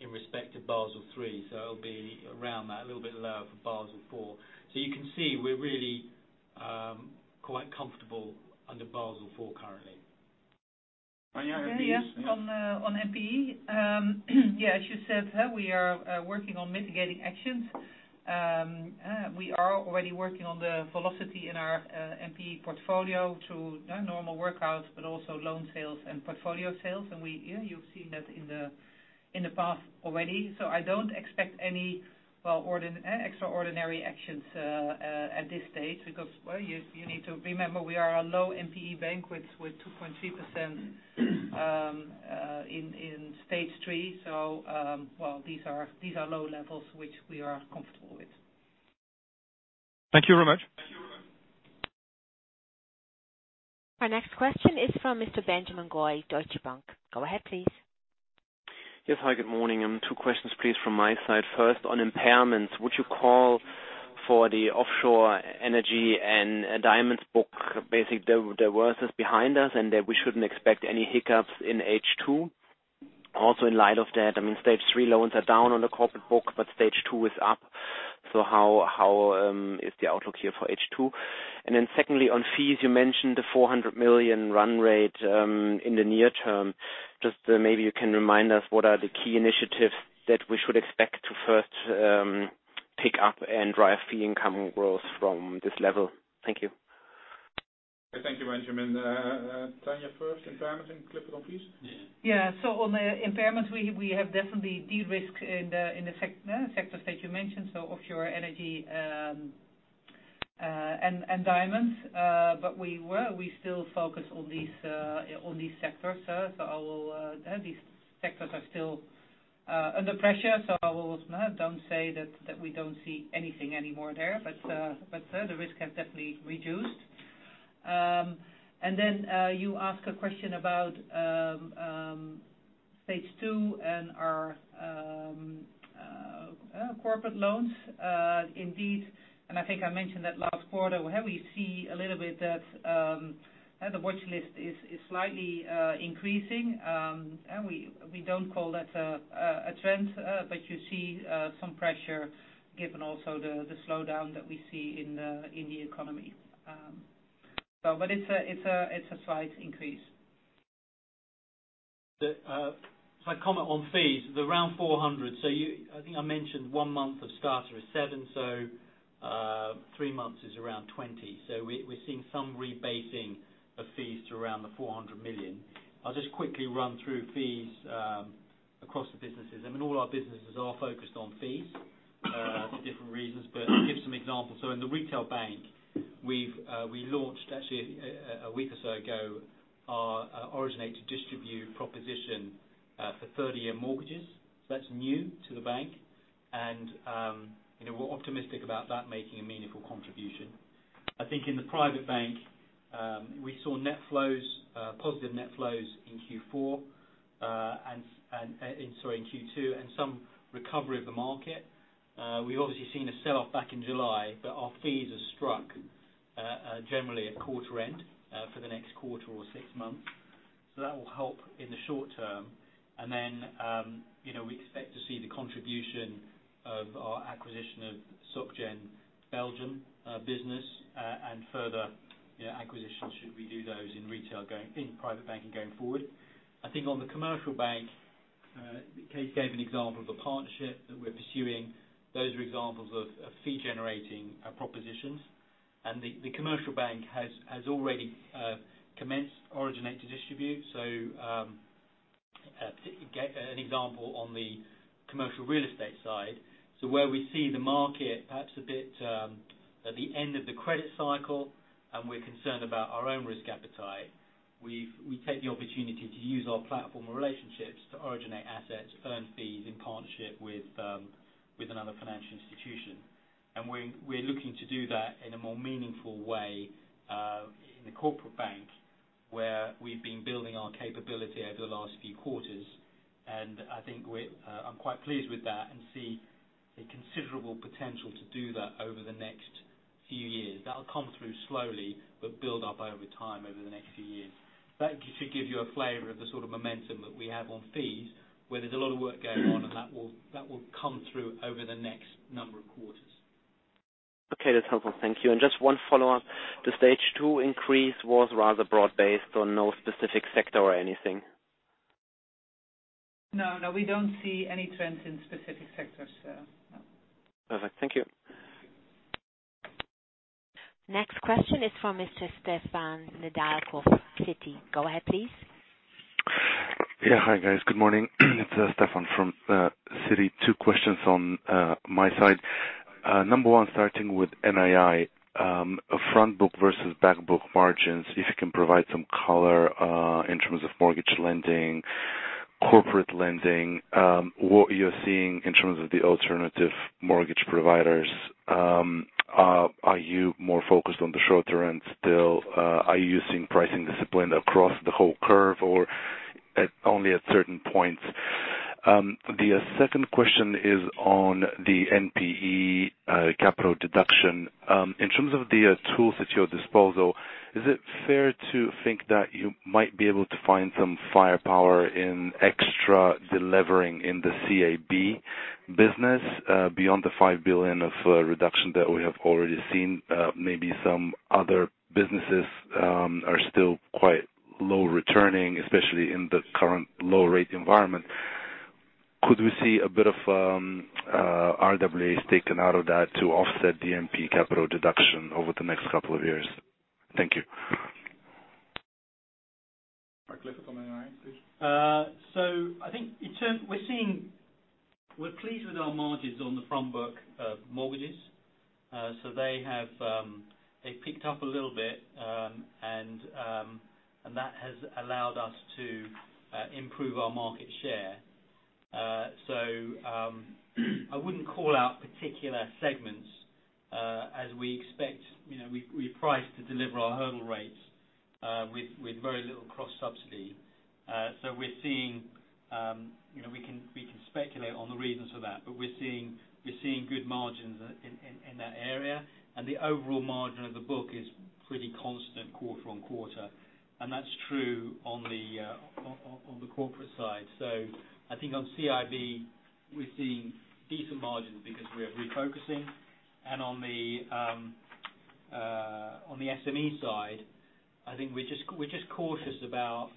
Speaker 3: in respect of Basel III. It’ll be around that, a little bit lower for Basel IV. You can see we’re really quite comfortable under Basel IV currently.
Speaker 2: Tanja, NPEs.
Speaker 4: Yeah. On NPE. Yeah, as you said, we are working on mitigating actions. We are already working on the velocity in our NPE portfolio through normal workouts, but also loan sales and portfolio sales. You've seen that in the past already. I don't expect any extraordinary actions at this stage because you need to remember we are a low NPE bank with 2.3% in Stage three. These are low levels which we are comfortable with.
Speaker 8: Thank you very much.
Speaker 1: Our next question is from Mr. Benjamin Goy, Deutsche Bank. Go ahead, please.
Speaker 9: Yes. Hi, good morning. Two questions, please, from my side. First, on impairments, would you call for the offshore energy and diamonds book, basically, the worst is behind us, and that we shouldn't expect any hiccups in H2? In light of that, Stage three loans are down on the corporate book, but Stage two is up. How is the outlook here for H2? Secondly, on fees, you mentioned the 400 million run rate in the near term. Just maybe you can remind us what are the key initiatives that we should expect to first pick up and drive fee income growth from this level. Thank you.
Speaker 2: Thank you, Benjamin. Tanja first, impairments. Clifford, please.
Speaker 4: Yeah. On the impairments, we have definitely de-risked in the sectors that you mentioned, so offshore energy and diamonds. We still focus on these sectors. These sectors are still under pressure. I don't say that we don't see anything anymore there. The risk has definitely reduced. You ask a question about Stage two and our corporate loans. Indeed, I think I mentioned that last quarter, we see a little bit that the watchlist is slightly increasing. We don't call that a trend, but you see some pressure given also the slowdown that we see in the economy. It's a slight increase.
Speaker 3: My comment on fees, they're around 400. I think I mentioned one month of Stater is 7, three months is around 20. We're seeing some rebasing of fees to around the 400 million. I'll just quickly run through fees across the businesses. All our businesses are focused on fees for different reasons. To give some examples, in the retail bank, we launched actually a week or so ago, our originate to distribute proposition for 30-year mortgages. That's new to the bank and we're optimistic about that making a meaningful contribution. I think in the private bank, we saw positive net flows in Q4, sorry, in Q2, and some recovery of the market. We've obviously seen a sell-off back in July, but our fees are struck generally at quarter end for the next quarter or six months. That will help in the short term. Then we expect to see the contribution of our acquisition of Société Générale Belgium business, and further acquisitions should we do those in private banking going forward. I think on the commercial bank, Kees gave an example of a partnership that we're pursuing. Those are examples of fee-generating propositions. The commercial bank has already commenced originate to distribute. To get an example on the commercial real estate side. Where we see the market perhaps a bit at the end of the credit cycle, and we're concerned about our own risk appetite. We take the opportunity to use our platform relationships to originate assets, earn fees in partnership with another financial institution. We're looking to do that in a more meaningful way in the corporate bank, where we've been building our capability over the last few quarters. I think I'm quite pleased with that and see a considerable potential to do that over the next few years. That'll come through slowly, but build up over time over the next few years. That should give you a flavor of the sort of momentum that we have on fees, where there's a lot of work going on, and that will come through over the next number of quarters.
Speaker 9: Okay. That's helpful. Thank you. Just one follow-up. The Stage two increase was rather broad based on no specific sector or anything.
Speaker 4: No, we don't see any trends in specific sectors.
Speaker 9: Perfect. Thank you.
Speaker 1: Next question is from Mr. Stefan Nedialkov of Citi. Go ahead, please.
Speaker 10: Yeah. Hi, guys. Good morning. It's Stefan from Citi. Two questions on my side. Number one, starting with NII. Front book versus back book margins, if you can provide some color in terms of mortgage lending, corporate lending. What you're seeing in terms of the alternative mortgage providers. Are you more focused on the shorter end still? Are you seeing pricing discipline across the whole curve or only at certain points? The second question is on the NPE capital deduction. In terms of the tools at your disposal, is it fair to think that you might be able to find some firepower in extra delivering in the CIB business beyond the 5 billion of reduction that we have already seen? Maybe some other businesses are still quite low returning, especially in the current low-rate environment. Could we see a bit of RWAs taken out of that to offset the NPE capital deduction over the next couple of years? Thank you.
Speaker 2: Right. Cliff, on NII, please.
Speaker 3: I think we're pleased with our margins on the front book of mortgages. They picked up a little bit, and that has allowed us to improve our market share. I wouldn't call out particular segments, as we price to deliver our hurdle rates with very little cross subsidy. We can speculate on the reasons for that. We're seeing good margins in that area, and the overall margin of the book is pretty constant quarter-on-quarter. That's true on the corporate side. I think on CIB, we're seeing decent margins because we are refocusing. On the SME side, I think we're just cautious about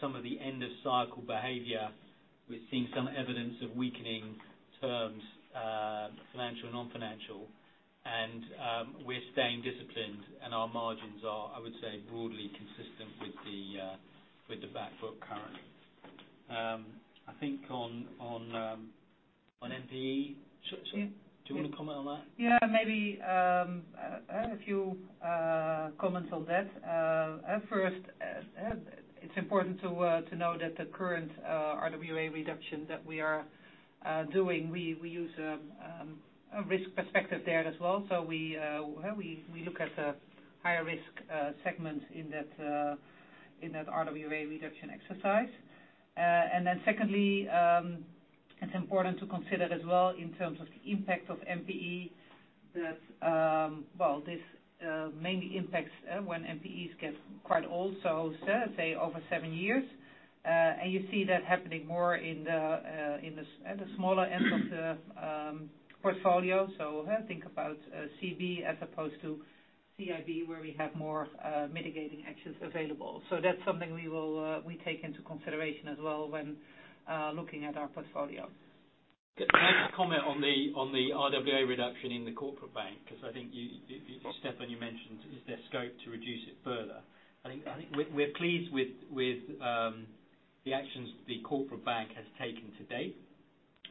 Speaker 3: some of the end-of-cycle behavior. We're seeing some evidence of weakening terms, financial and non-financial, and we're staying disciplined and our margins are, I would say, broadly consistent with the back book currently. I think on NPE, do you want to comment on that?
Speaker 4: Maybe a few comments on that. First, it's important to know that the current RWA reduction that we are doing, we use a risk perspective there as well. We look at the higher risk segments in that RWA reduction exercise. Secondly, it's important to consider as well in terms of the impact of NPE that, well, this mainly impacts when NPEs get quite old, so say over seven years. You see that happening more at the smaller end of the portfolio. Think about CB as opposed to CIB, where we have more mitigating actions available. That's something we take into consideration as well when looking at our portfolio.
Speaker 3: Can I just comment on the RWA reduction in the corporate bank, because I think Stefan, you mentioned, is there scope to reduce it further. I think we're pleased with the actions the corporate bank has taken to date.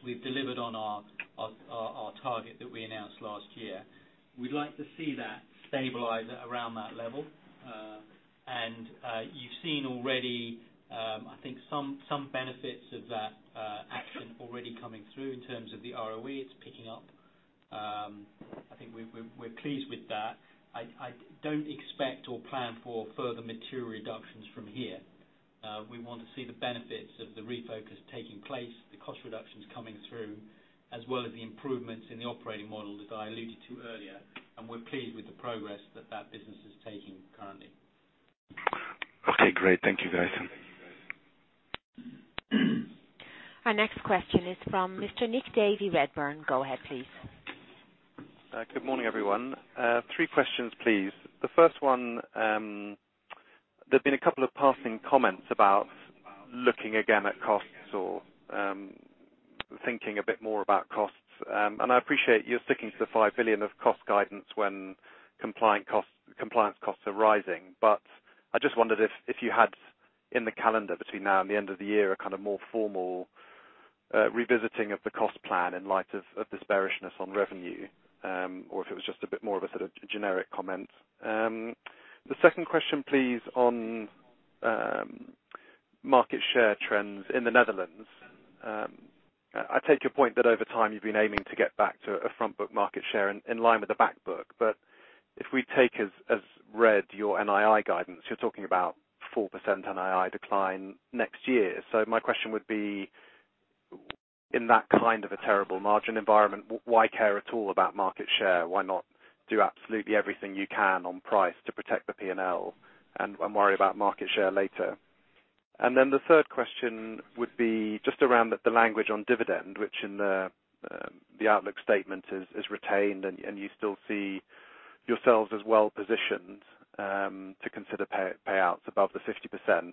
Speaker 3: We've delivered on our target that we announced last year. We'd like to see that stabilize around that level. You've seen already, I think some benefits of that action already coming through in terms of the ROE, it's picking up. I think we're pleased with that. I don't expect or plan for further material reductions from here. We want to see the benefits of the refocus taking place, the cost reductions coming through, as well as the improvements in the operating model that I alluded to earlier. We're pleased with the progress that that business is taking currently.
Speaker 10: Okay, great. Thank you very much.
Speaker 1: Our next question is from Mr. Nick Davey, Redburn. Go ahead, please.
Speaker 11: Good morning, everyone. Three questions, please. The first one, there's been a couple of passing comments about looking again at costs or thinking a bit more about costs. I appreciate you're sticking to the 5 billion of cost guidance when compliance costs are rising. I just wondered if you had, in the calendar between now and the end of the year, a more formal revisiting of the cost plan in light of the bearishness on revenue, or if it was just a bit more of a generic comment. The second question, please, on market share trends in the Netherlands. I take your point that over time you've been aiming to get back to a front book market share in line with the back book. If we take as read your NII guidance, you're talking about 4% NII decline next year. My question would be, in that kind of a terrible margin environment, why care at all about market share? Why not do absolutely everything you can on price to protect the P&L, and worry about market share later? The third question would be just around the language on dividend, which in the outlook statement is retained, and you still see yourselves as well-positioned to consider payouts above the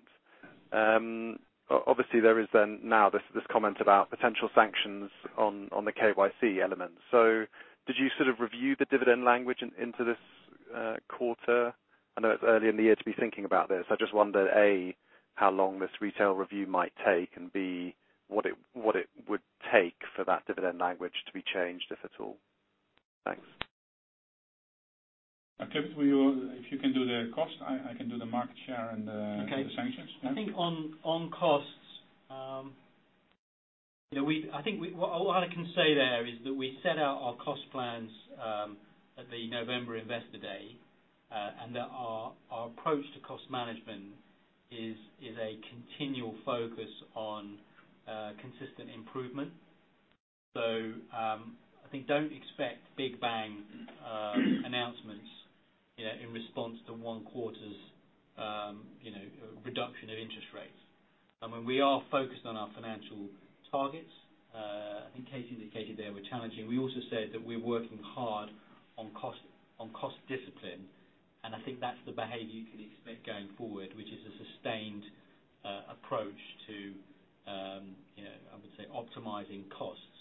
Speaker 11: 50%. Obviously, there is then now this comment about potential sanctions on the KYC element. Did you review the dividend language into this quarter? I know it's early in the year to be thinking about this. I just wonder, A, how long this retail review might take, and B, what it would take for that dividend language to be changed, if at all. Thanks.
Speaker 2: Clifford, if you can do the cost, I can do the market share and the sanctions.
Speaker 3: Okay. I think on costs, all I can say there is that we set out our cost plans at the November Investor Day, and that our approach to cost management is a continual focus on consistent improvement. I think don't expect big bang announcements in response to one quarter's reduction in interest rates. We are focused on our financial targets. I think Kees indicated there we're challenging. We also said that we're working hard on cost discipline, and I think that's the behavior you can expect going forward, which is a sustained approach to, I would say, optimizing costs.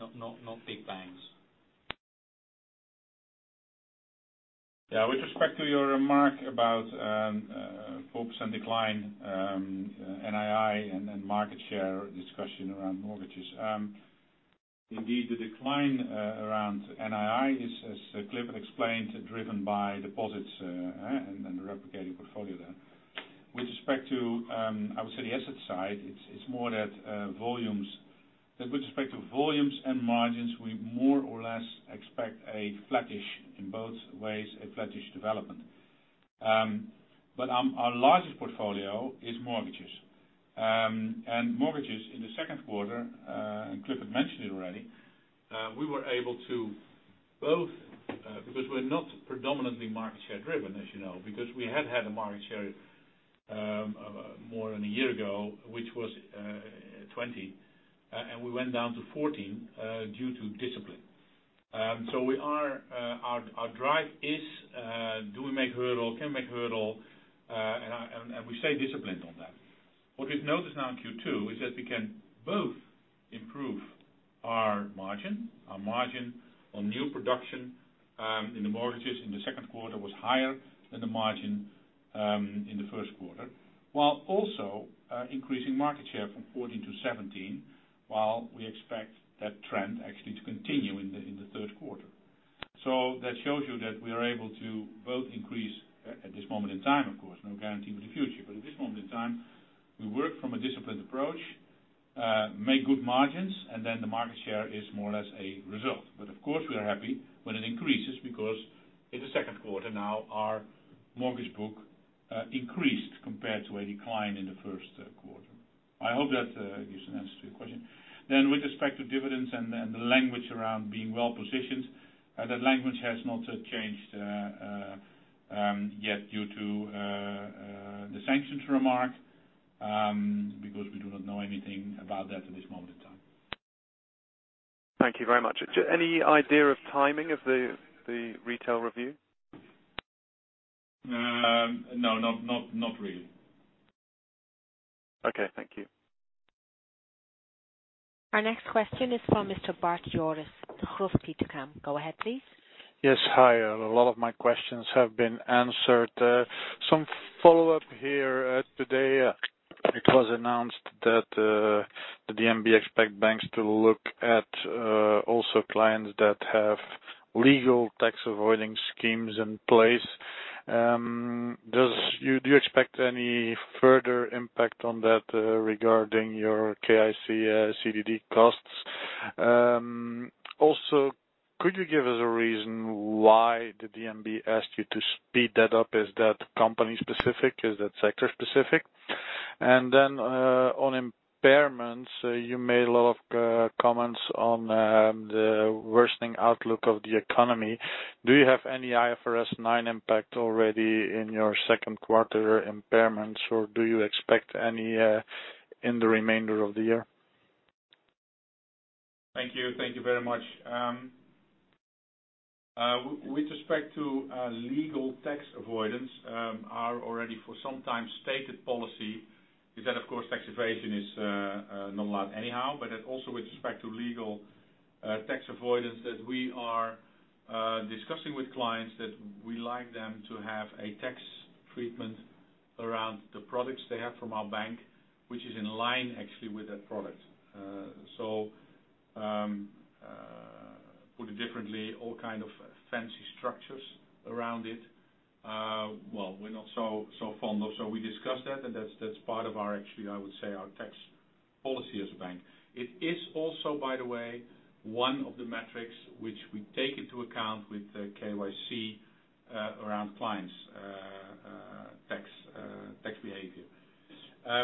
Speaker 3: Not big bangs.
Speaker 2: Yeah. With respect to your remark about focus and decline, NII, and then market share discussion around mortgages. Indeed, the decline around NII is, as Clifford explained, driven by deposits and replicating portfolio there. With respect to, I would say the asset side, it's more that volumes. With respect to volumes and margins, we more or less expect a flattish development in both ways. Our largest portfolio is mortgages. Mortgages in the second quarter, and Clifford mentioned it already, we were able to both, because we're not predominantly market share driven, as you know, because we had a market share more than a year ago, which was 20, and we went down to 14 due to discipline. Our drive is, can we make hurdle? We stay disciplined on that. What we've noticed now in Q2 is that we can both improve our margin. Our margin on new production in the mortgages in the second quarter was higher than the margin in the first quarter, while also increasing market share from 14-17, while we expect that trend actually to continue in the third quarter. That shows you that we are able to both increase, at this moment in time, of course, no guarantee for the future. At this moment in time, we work from a disciplined approach, make good margins, and then the market share is more or less a result. Of course, we are happy when it increases because in the second quarter now our mortgage book increased compared to a decline in the first quarter. I hope that gives an answer to your question. With respect to dividends and the language around being well-positioned, that language has not changed yet due to the sanctions remark, because we do not know anything about that at this moment in time.
Speaker 11: Thank you very much. Any idea of timing of the retail review?
Speaker 2: No, not really.
Speaker 11: Okay. Thank you.
Speaker 1: Our next question is from Mr. Bart Jooris, Degroof Petercam. Go ahead, please.
Speaker 12: Yes. Hi. A lot of my questions have been answered. Some follow-up here. Today it was announced that the DNB expect banks to look at also clients that have legal tax avoiding schemes in place. Do you expect any further impact on that regarding your KYC CDD costs? Could you give us a reason why the DNB asked you to speed that up? Is that company specific? Is that sector specific? On impairments, you made a lot of comments on the worsening outlook of the economy. Do you have any IFRS 9 impact already in your second quarter impairments, or do you expect any in the remainder of the year?
Speaker 2: Thank you. Thank you very much. With respect to legal tax avoidance, our already for some time stated policy is that, of course, tax evasion is not allowed anyhow, but that also with respect to legal tax avoidance, that we are discussing with clients that we like them to have a tax treatment around the products they have from our bank, which is in line actually with that product. Put it differently, all kind of fancy structures around it, well, we're not so fond of. So we discussed that, and that's part of our, actually, I would say our tax policy as a bank. It is also, by the way, one of the metrics which we take into account with KYC around clients' tax behavior.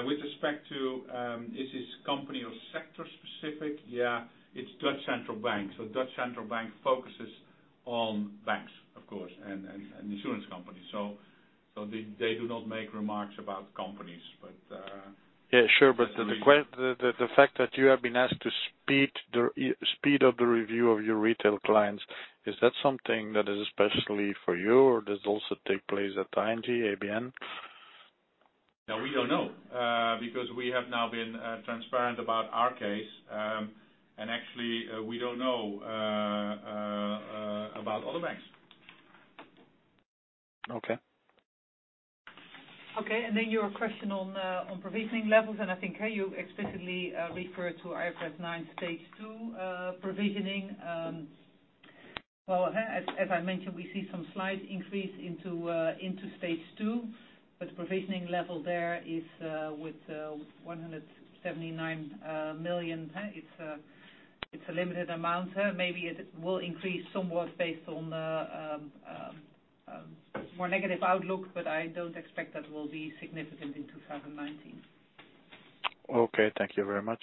Speaker 2: With respect to, is this company or sector specific, yeah, it's Dutch Central Bank. Dutch Central Bank focuses on banks, of course, and insurance companies. They do not make remarks about companies.
Speaker 12: Yeah, sure. The fact that you have been asked to speed up the review of your retail clients, is that something that is especially for you or does it also take place at ING, ABN?
Speaker 2: No, we don't know, because we have now been transparent about our case. Actually, we don't know about other banks.
Speaker 12: Okay.
Speaker 4: Okay, and then your question on provisioning levels, and I think, hey, you explicitly refer to IFRS 9 Stage two provisioning. Well, as I mentioned, we see some slight increase into Stage two, but the provisioning level there is with 179 million. It's a limited amount. Maybe it will increase somewhat based on more negative outlook, but I don't expect that will be significant in 2019.
Speaker 12: Okay. Thank you very much.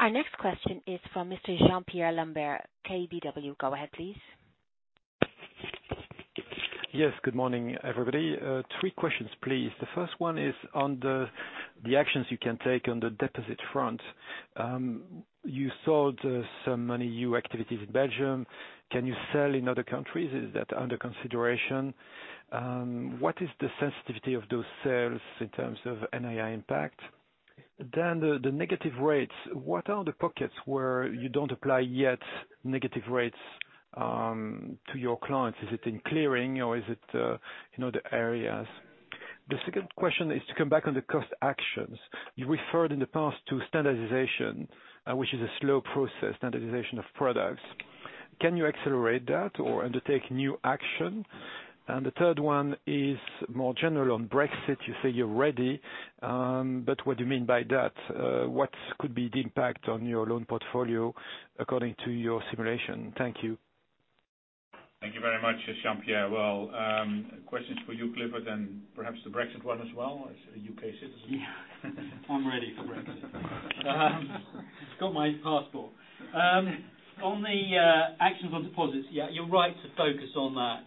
Speaker 1: Our next question is from Mr. Jean-Pierre Lambert, KBW. Go ahead, please.
Speaker 13: Yes. Good morning, everybody. Three questions, please. The first one is on the actions you can take on the deposit front. You sold some Moneyou activities in Belgium. Can you sell in other countries? Is that under consideration? What is the sensitivity of those sales in terms of NII impact? The negative rates, what are the pockets where you don't apply yet negative rates to your clients? Is it in clearing or is it in other areas? The second question is to come back on the cost actions. You referred in the past to standardization, which is a slow process, standardization of products. Can you accelerate that or undertake new action? The third one is more general on Brexit. You say you're ready. What do you mean by that? What could be the impact on your loan portfolio according to your simulation? Thank you.
Speaker 2: Thank you very much, Jean-Pierre. Well, questions for you, Clifford, and perhaps the Brexit one as well as a U.K. citizen.
Speaker 3: Yeah. I'm ready for Brexit. Got my passport. On the actions on deposits, you're right to focus on that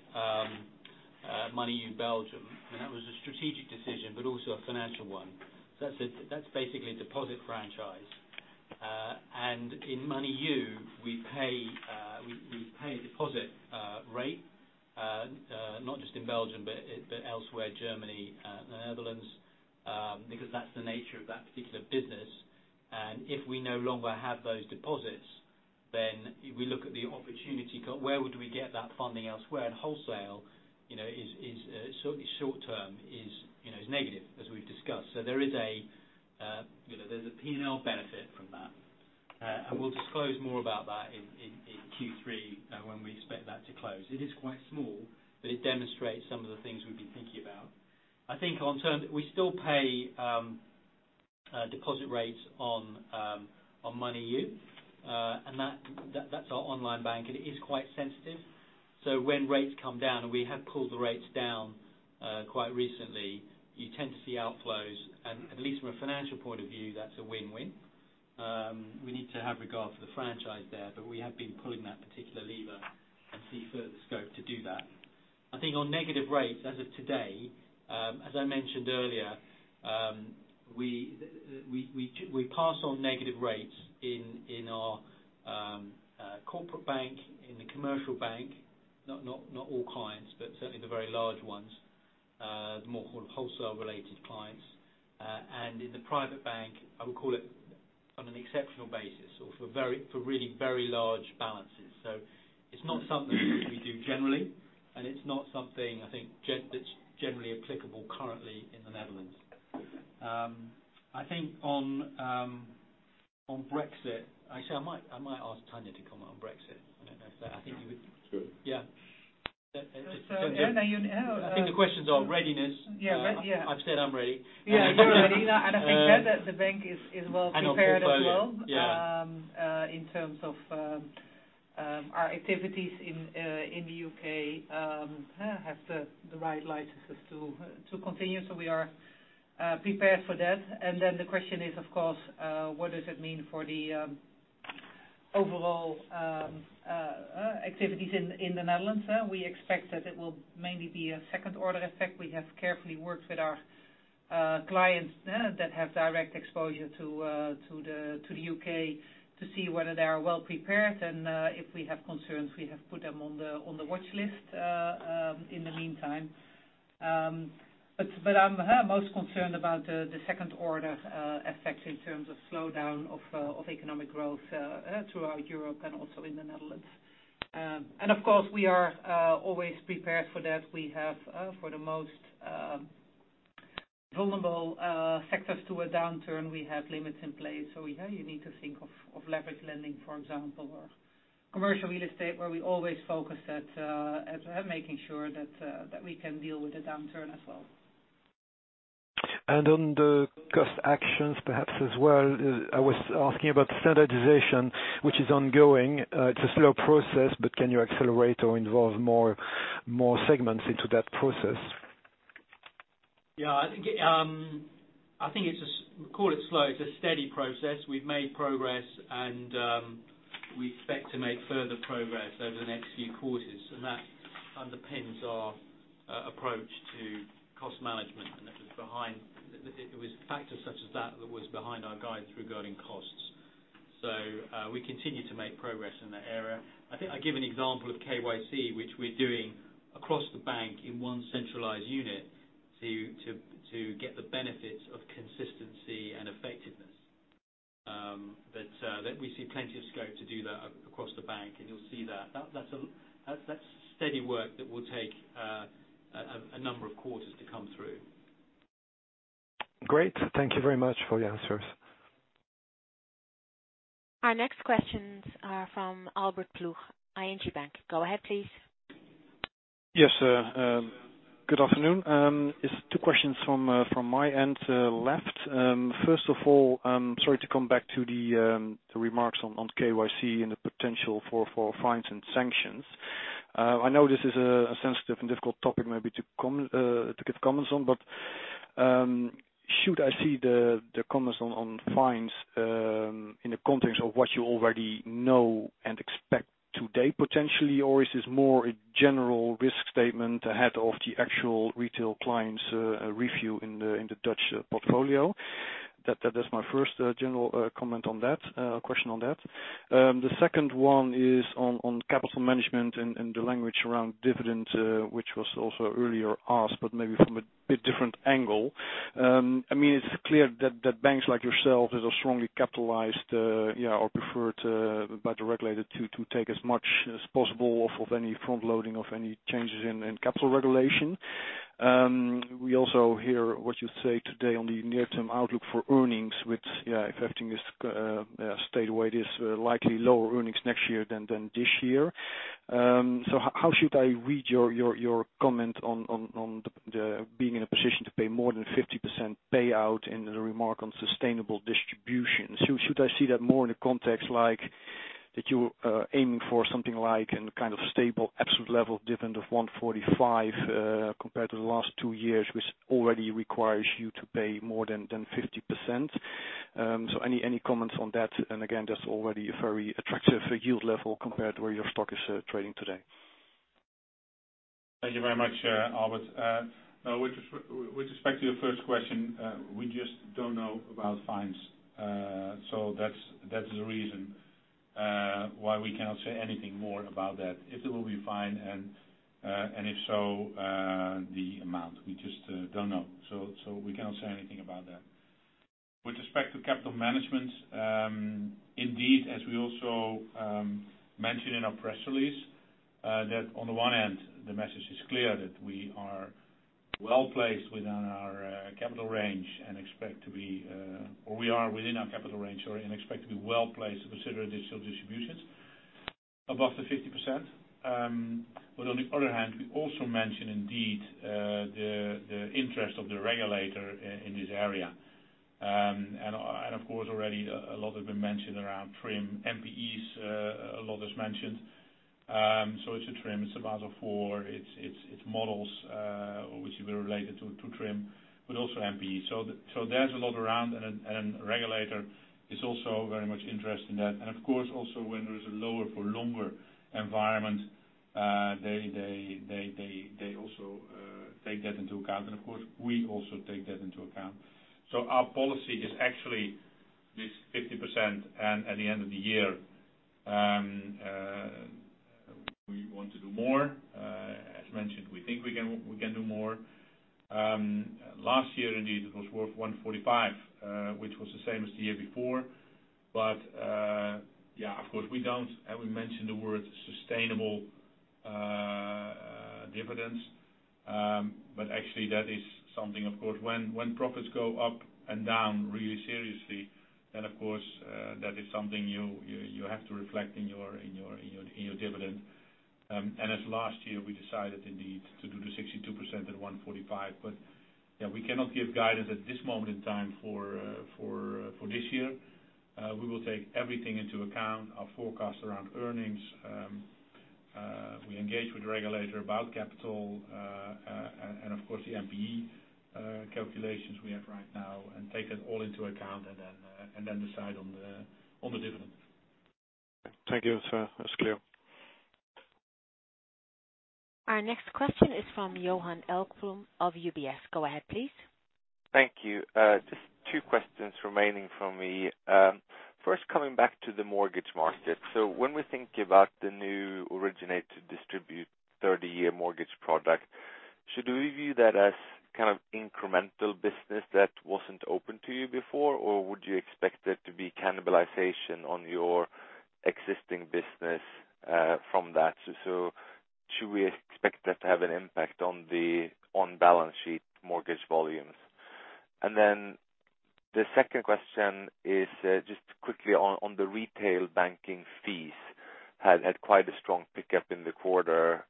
Speaker 3: Moneyou Belgium. That was a strategic decision, also a financial one. That's basically a deposit franchise. In Moneyou, we pay a deposit rate, not just in Belgium, but elsewhere, Germany, the Netherlands, because that's the nature of that particular business. If we no longer have those deposits, we look at the opportunity, where would we get that funding elsewhere? Wholesale, certainly short term is negative, as we've discussed. There's a P&L benefit from that. We'll disclose more about that in Q3 when we expect that to close. It is quite small, but it demonstrates some of the things we've been thinking about. I think we still pay deposit rates on Moneyou, and that's our online bank, and it is quite sensitive. When rates come down, and we have pulled the rates down quite recently, you tend to see outflows. At least from a financial point of view, that's a win-win. We need to have regard for the franchise there, but we have been pulling that particular lever. See further scope to do that. I think on negative rates as of today, as I mentioned earlier, we pass on negative rates in our corporate bank, in the commercial bank, not all clients, but certainly the very large ones, the more wholesale related clients. In the private bank, I would call it on an exceptional basis or for really very large balances. It's not something that we do generally, and it's not something I think that's generally applicable currently in the Netherlands. I think on Brexit, actually, I might ask Tanja to comment on Brexit. I don't know if that I think you would [crosstalk] I think the questions are readiness.
Speaker 4: Yeah.
Speaker 3: I've said I'm ready.
Speaker 4: Yeah, you're ready. I think that the bank is well prepared as well.
Speaker 3: On portfolio. Yeah
Speaker 4: In terms of our activities in the U.K., have the right licenses to continue. We are prepared for that. The question is, of course, what does it mean for the overall activities in the Netherlands? We expect that it will mainly be a second-order effect. We have carefully worked with our clients that have direct exposure to the U.K. to see whether they are well prepared and if we have concerns, we have put them on the watchlist in the meantime. I'm most concerned about the second-order effects in terms of slowdown of economic growth throughout Europe and also in the Netherlands. Of course, we are always prepared for that. We have for the most vulnerable sectors to a downturn, we have limits in place. You need to think of leverage lending, for example, or commercial real estate, where we always focus at making sure that we can deal with the downturn as well.
Speaker 13: On the cost actions perhaps as well, I was asking about standardization, which is ongoing. It’s a slow process, but can you accelerate or involve more segments into that process?
Speaker 3: Yeah, I think call it slow. It's a steady process. We've made progress and we expect to make further progress over the next few quarters, that underpins our approach to cost management. It was factors such as that that was behind our guides regarding costs. We continue to make progress in that area. I think I give an example of KYC, which we're doing across the bank in one centralized unit to get the benefits of consistency and effectiveness. We see plenty of scope to do that across the bank, and you'll see that. That's steady work that will take a number of quarters to come through.
Speaker 13: Great. Thank you very much for your answers.
Speaker 1: Our next questions are from Albert Ploegh, ING Bank. Go ahead, please.
Speaker 14: Yes. Good afternoon. It's two questions from my end left. First of all, sorry to come back to the remarks on KYC and the potential for fines and sanctions. I know this is a sensitive and difficult topic maybe to give comments on, should I see the comments on fines in the context of what you already know and expect today potentially, or is this more a general risk statement ahead of the actual retail clients review in the Dutch portfolio? That's my first general comment on that, question on that. The second one is on capital management and the language around dividend, which was also earlier asked, maybe from a bit different angle. It's clear that banks like yourselves that are strongly capitalized or preferred by the regulator to take as much as possible off of any front loading of any changes in capital regulation. We also hear what you say today on the near-term outlook for earnings, which effecting this stayed away, this likely lower earnings next year than this year. How should I read your comment on being in a position to pay more than 50% payout and the remark on sustainable distribution? Should I see that more in the context like that you're aiming for something like in a kind of stable absolute level dividend of 145 compared to the last two years, which already requires you to pay more than 50%? Any comments on that? Again, that's already a very attractive yield level compared to where your stock is trading today.
Speaker 2: Thank you very much, Albert. With respect to your first question, we just don't know about fines. That's the reason why we cannot say anything more about that. If there will be a fine and if so, the amount, we just don't know. We cannot say anything about that. With respect to capital management, indeed, as we also mentioned in our press release, that on the one hand, the message is clear that we are well-placed within our capital range and expect to be, or we are within our capital range or and expect to be well-placed to consider additional distributions above the 50%. On the other hand, we also mention indeed the interest of the regulator in this area. Of course, already a lot has been mentioned around TRIM, NPEs a lot is mentioned. It's a TRIM, it's a Basel IV, it's models which will relate to TRIM, but also NPEs. There's a lot around and regulator is also very much interested in that. Of course, also when there is a lower for longer environment, they also take that into account. Of course, we also take that into account. Our policy is actually this 50%, and at the end of the year, we want to do more. As mentioned, we think we can do more. Last year, indeed, it was worth 145, which was the same as the year before. Yeah, of course, we don't ever mention the words sustainable dividends. Actually, that is something, of course, when profits go up and down really seriously, then of course, that is something you have to reflect in your dividend. As last year, we decided indeed to do the 62% at 145. Yeah, we cannot give guidance at this moment in time for this year. We will take everything into account, our forecast around earnings. We engage with the regulator about capital, and of course, the NPE calculations we have right now, and take that all into account and then decide on the dividend.
Speaker 14: Thank you. That's clear.
Speaker 1: Our next question is from Johan Ekblom of UBS. Go ahead, please.
Speaker 15: Thank you. Just two questions remaining from me. First, coming back to the mortgage market. When we think about the new originate to distribute 30-year mortgage product, should we view that as kind of incremental business that wasn't open to you before, or would you expect there to be cannibalization on your existing business from that? Should we expect that to have an impact on balance sheet mortgage volumes? The second question is just quickly on the retail banking fees. Had quite a strong pickup in the quarter.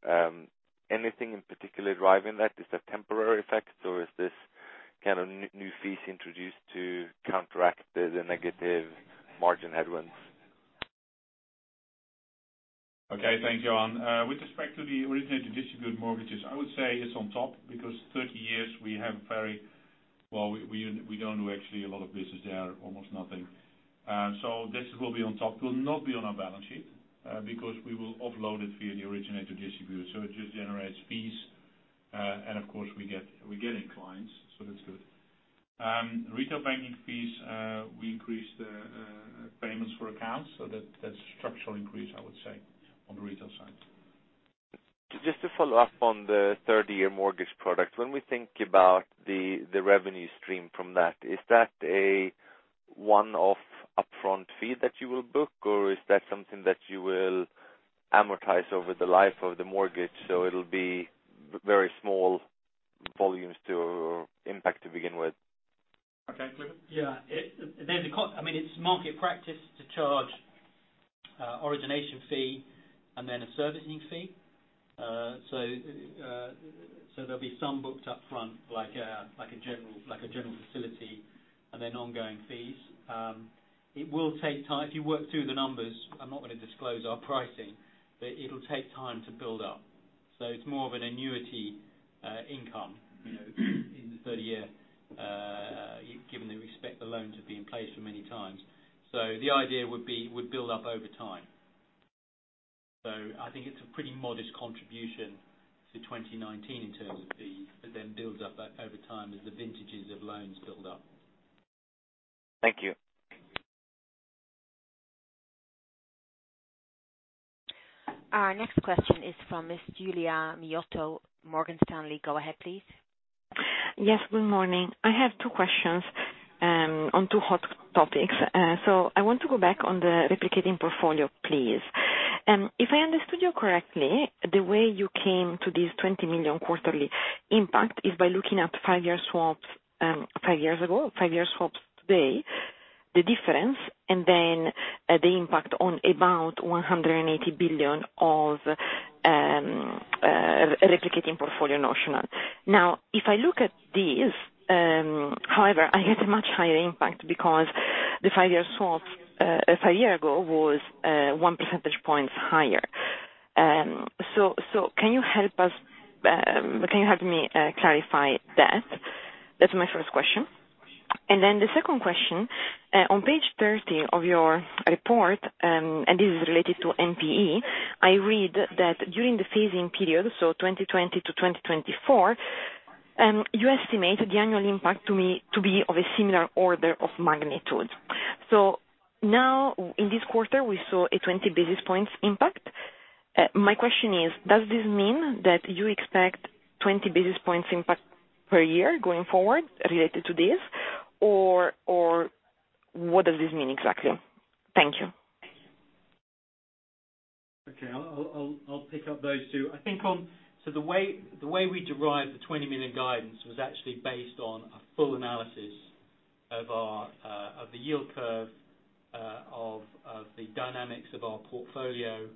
Speaker 15: Anything in particular driving that? Is that a temporary effect, or is this kind of new fees introduced to counteract the negative margin headwinds?
Speaker 2: Okay. Thanks, Johan. With respect to the originated distributed mortgages, I would say it's on top because 30 years we have very Well, we don't do actually a lot of business there, almost nothing. This will be on top. Will not be on our balance sheet because we will offload it via the originate-to-distribute. It just generates fees. Of course, we get in clients, so that's good. Retail banking fees, we increase the payments for accounts. That's a structural increase, I would say, on the retail side.
Speaker 15: Just to follow up on the 30-year mortgage product. When we think about the revenue stream from that, is that a one-off upfront fee that you will book, or is that something that you will amortize over the life of the mortgage, so it'll be very small volumes to impact to begin with?
Speaker 2: Okay. Clifford?
Speaker 3: It's market practice to charge origination fee and then a servicing fee. There'll be some booked up front, like a general facility and then ongoing fees. It will take time. If you work through the numbers, I'm not going to disclose our pricing, but it'll take time to build up. It's more of an annuity income in the 30-year, given they expect the loans will be in place for many times. The idea would build up over time. I think it's a pretty modest contribution to 2019 in terms of fees, but then builds up over time as the vintages of loans build up.
Speaker 15: Thank you.
Speaker 1: Our next question is from Ms. Giulia Miotto, Morgan Stanley. Go ahead, please.
Speaker 16: Yes. Good morning. I have two questions on two hot topics. I want to go back on the replicating portfolio, please. If I understood you correctly, the way you came to this 20 million quarterly impact is by looking at five years swaps five years ago, five years swaps today, the difference, and then the impact on about 180 billion of replicating portfolio national. If I look at this, however, I get a much higher impact because the five year swap five year ago was one percentage point higher. Can you help me clarify that? That's my first question. The second question, on page 30 of your report, and this is related to NPE, I read that during the phasing period, so 2020-2024, you estimate the annual impact to be of a similar order of magnitude. Now in this quarter, we saw a 20 basis points impact. My question is, does this mean that you expect 20 basis points impact per year going forward related to this, or what does this mean exactly? Thank you.
Speaker 3: Okay. I'll pick up those two. The way we derive the 20 million guidance was actually based on a full analysis of the yield curve of the dynamics of our portfolio.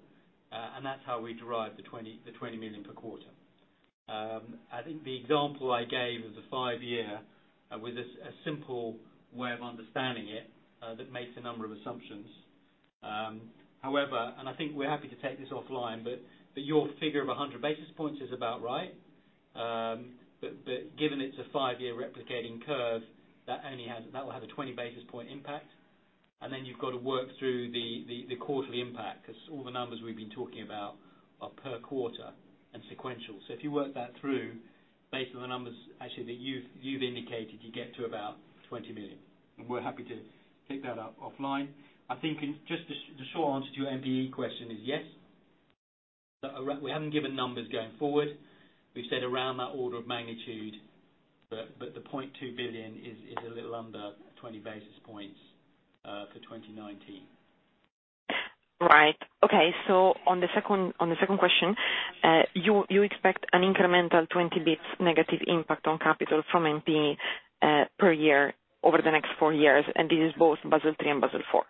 Speaker 3: That's how we derive the 20 million per quarter. I think the example I gave of the five-year was a simple way of understanding it that makes a number of assumptions. I think we're happy to take this offline, your figure of 100 basis points is about right. Given it's a five-year replicating curve, that will have a 20 basis point impact. Then you've got to work through the quarterly impact, because all the numbers we've been talking about are per quarter and sequential. If you work that through based on the numbers actually that you've indicated, you get to about 20 million. We're happy to pick that up offline. I think just the short answer to your NPE question is yes. We haven't given numbers going forward. We've said around that order of magnitude, but the 0.2 billion is a little under 20 basis points for 2019.
Speaker 16: Right. Okay. On the second question, you expect an incremental 20 basis points negative impact on capital from NPE per year over the next four years, and this is both Basel III and Basel IV?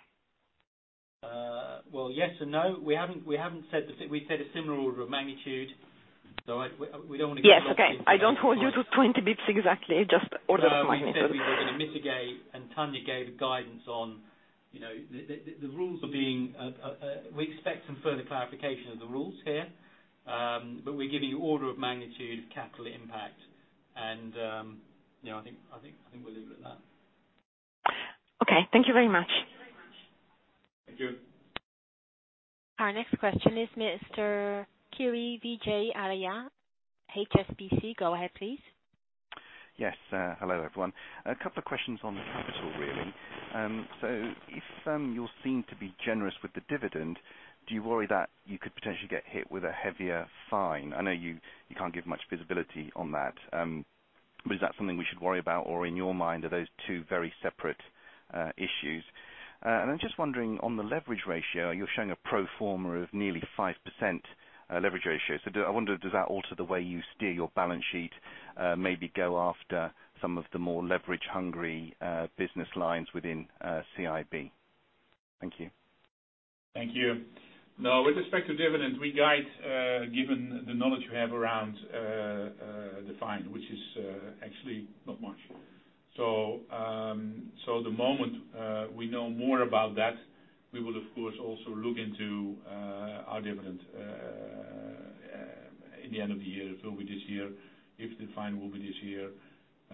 Speaker 3: Well, yes and no. We said a similar order of magnitude. We don't want to get locked into.
Speaker 16: Yes. Okay. I don't want you to 20 bps exactly, just order of magnitude.
Speaker 3: No, we said we were going to mitigate, and Tanja gave guidance on. We expect some further clarification of the rules here. We're giving you order of magnitude capital impact, and I think we'll leave it at that.
Speaker 16: Okay. Thank you very much.
Speaker 3: Thank you.
Speaker 1: Our next question is Mr. Kiri Vijayarajah HSBC, go ahead, please.
Speaker 17: Yes. Hello, everyone. A couple of questions on the capital, really. If you're seen to be generous with the dividend, do you worry that you could potentially get hit with a heavier fine? I know you can't give much visibility on that. Is that something we should worry about, or in your mind, are those two very separate issues? I'm just wondering on the leverage ratio, you're showing a pro forma of nearly 5% leverage ratio. I wonder, does that alter the way you steer your balance sheet, maybe go after some of the more leverage-hungry business lines within CIB? Thank you.
Speaker 2: Thank you. With respect to dividend, we guide given the knowledge we have around the fine, which is actually not much. The moment we know more about that, we will, of course, also look into our dividend in the end of the year. It will be this year. If the fine will be this year.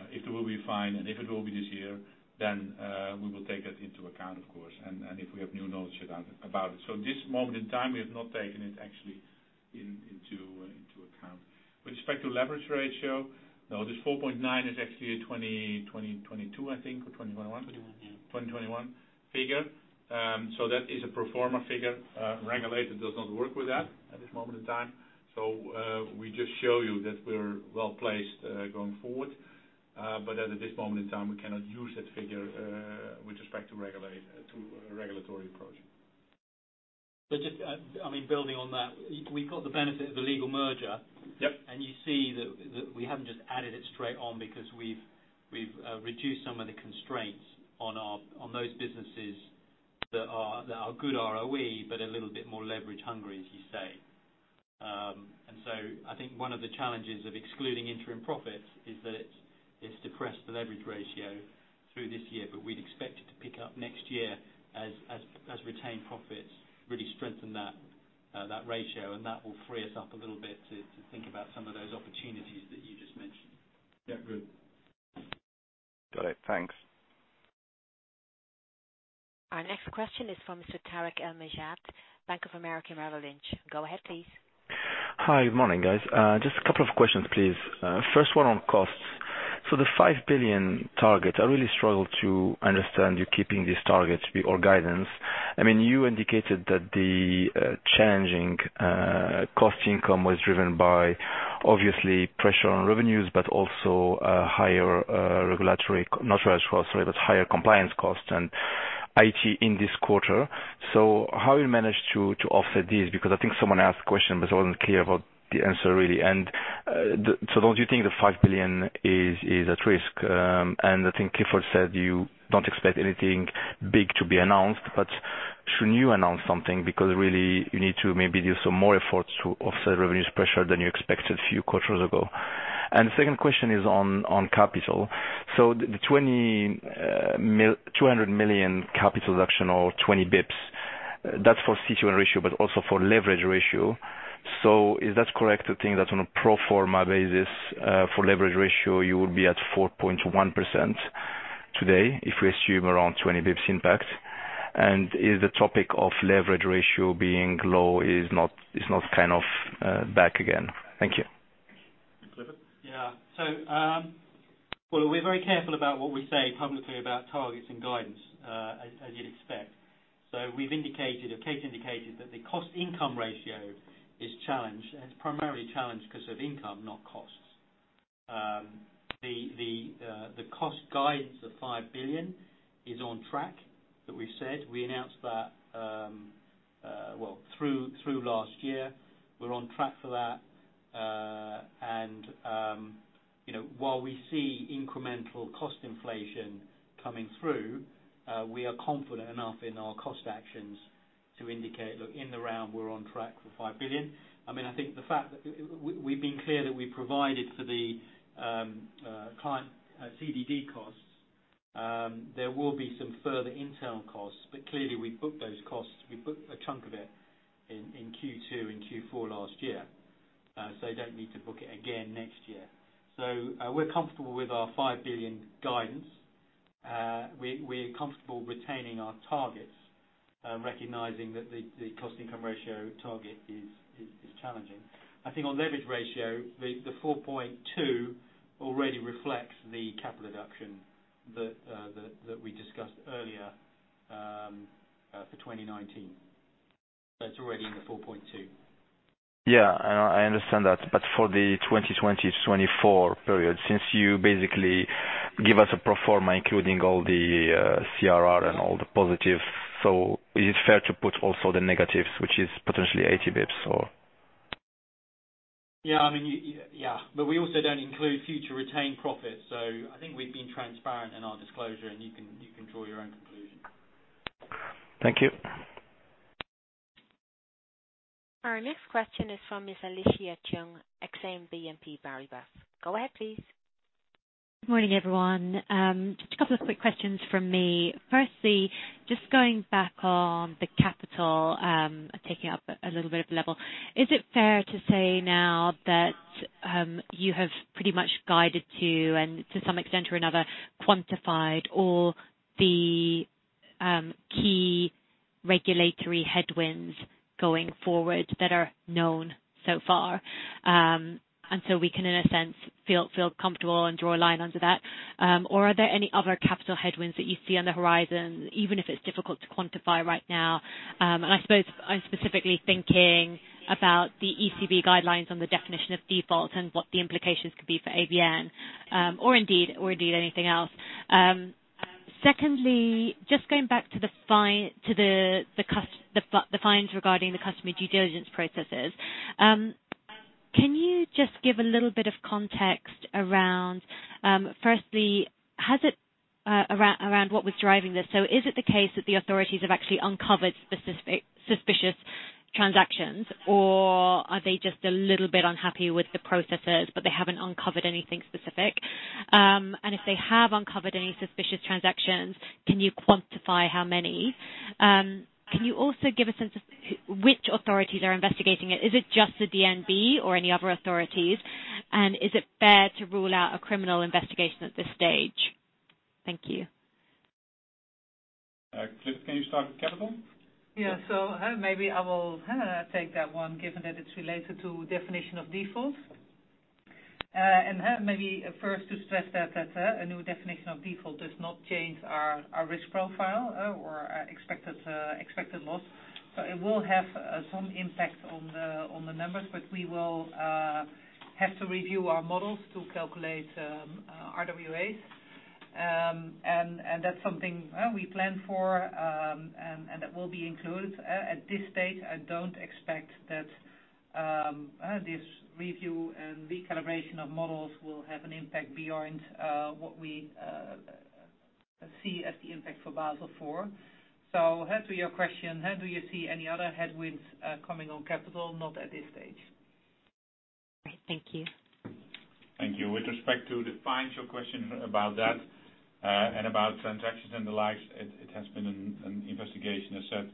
Speaker 2: If there will be a fine, and if it will be this year, then we will take that into account, of course, and if we have new knowledge about it. At this moment in time, we have not taken it actually into account. With respect to leverage ratio, no, this 4.9 is actually a 2022, I think, or 2021-
Speaker 3: 2021
Speaker 2: 2021 figure. That is a pro forma figure. Regulator does not work with that at this moment in time. We just show you that we're well-placed going forward. At this moment in time, we cannot use that figure with respect to regulatory approach.
Speaker 3: Just building on that, we got the benefit of the legal merger.
Speaker 2: Yep.
Speaker 3: You see that we haven't just added it straight on because we've reduced some of the constraints on those businesses that are good ROE, but a little bit more leverage hungry, as you say. I think one of the challenges of excluding interim profits is that it's depressed the leverage ratio through this year, but we'd expect it to pick up next year as retained profits really strengthen that ratio, and that will free us up a little bit to think about some of those opportunities that you just mentioned.
Speaker 2: Yeah. Good.
Speaker 17: Got it. Thanks.
Speaker 1: Our next question is from Mr. Tarik El Mejjad, Bank of America Merrill Lynch. Go ahead, please.
Speaker 18: Hi. Good morning, guys. Just a couple of questions, please. First one on costs. The 5 billion target, I really struggle to understand you keeping this target or guidance. You indicated that the changing cost income was driven by obviously pressure on revenues, but also higher compliance costs and IT in this quarter. How you manage to offset this? I think someone asked the question, but I wasn't clear about the answer, really. Don't you think the 5 billion is at risk? I think Clifford said you don't expect anything big to be announced, but shouldn't you announce something because really you need to maybe do some more efforts to offset revenues pressure than you expected a few quarters ago. The second question is on capital. The 200 million capital reduction or 20 basis points, that's for CET1 ratio but also for leverage ratio. Is that correct to think that on a pro forma basis for leverage ratio, you will be at 4.1% today if we assume around 20 basis points impact? Is the topic of leverage ratio being low is not back again? Thank you.
Speaker 2: Clifford?
Speaker 3: Yeah. Well, we're very careful about what we say publicly about targets and guidance, as you'd expect. We've indicated, or Kees indicated, that the cost income ratio is challenged, and it's primarily challenged because of income, not costs. The cost guides of 5 billion is on track, that we've said. We announced that through last year. We're on track for that. While we see incremental cost inflation coming through, we are confident enough in our cost actions to indicate, look, in the round, we're on track for 5 billion. I think the fact that we've been clear that we provided for the client CDD costs. There will be some further intel costs. Clearly, we've booked those costs. We've booked a chunk of it in Q2 and Q4 last year. You don't need to book it again next year. We're comfortable with our 5 billion guidance. We're comfortable retaining our targets, recognizing that the cost-income ratio target is challenging. I think on leverage ratio, the 4.2 already reflects the capital reduction that we discussed earlier for 2019. That's already in the 4.2.
Speaker 18: Yeah, I understand that. For the 2020-2024 period, since you basically give us a pro forma, including all the CRR and all the positive, is it fair to put also the negatives, which is potentially 80 basis points or?
Speaker 2: Yeah. We also don't include future retained profits. I think we've been transparent in our disclosure, and you can draw your own conclusion.
Speaker 18: Thank you.
Speaker 1: Our next question is from Ms. Alicia Chung, Exane BNP Paribas. Go ahead, please.
Speaker 19: Good morning, everyone. Just a couple of quick questions from me. Going back on the capital, taking up a little bit of level. Is it fair to say now that you have pretty much guided to, and to some extent or another, quantified all the key regulatory headwinds going forward that are known so far? We can, in a sense, feel comfortable and draw a line under that. Are there any other capital headwinds that you see on the horizon, even if it's difficult to quantify right now? I suppose I'm specifically thinking about the ECB guidelines on the definition of default and what the implications could be for ABN, or indeed anything else. Going back to the fines regarding the customer due diligence processes. Can you just give a little bit of context around what was driving this? Is it the case that the authorities have actually uncovered suspicious transactions, or are they just a little bit unhappy with the processes, but they haven't uncovered anything specific? If they have uncovered any suspicious transactions, can you quantify how many? Can you also give a sense of which authorities are investigating it? Is it just the DNB or any other authorities, and is it fair to rule out a criminal investigation at this stage? Thank you.
Speaker 2: Cliff, can you start with capital?
Speaker 4: Maybe I will take that one, given that it's related to definition of default. Maybe first to stress that a new definition of default does not change our risk profile or expected loss. It will have some impact on the numbers, but we will have to review our models to calculate RWAs. That's something we plan for, and that will be included. At this stage, I don't expect that this review and recalibration of models will have an impact beyond what we see as the impact for Basel IV. As to your question, do you see any other headwinds coming on capital? Not at this stage.
Speaker 19: Right. Thank you.
Speaker 2: Thank you. With respect to the fines, your question about that, and about transactions and the likes, it has been an investigation, as said,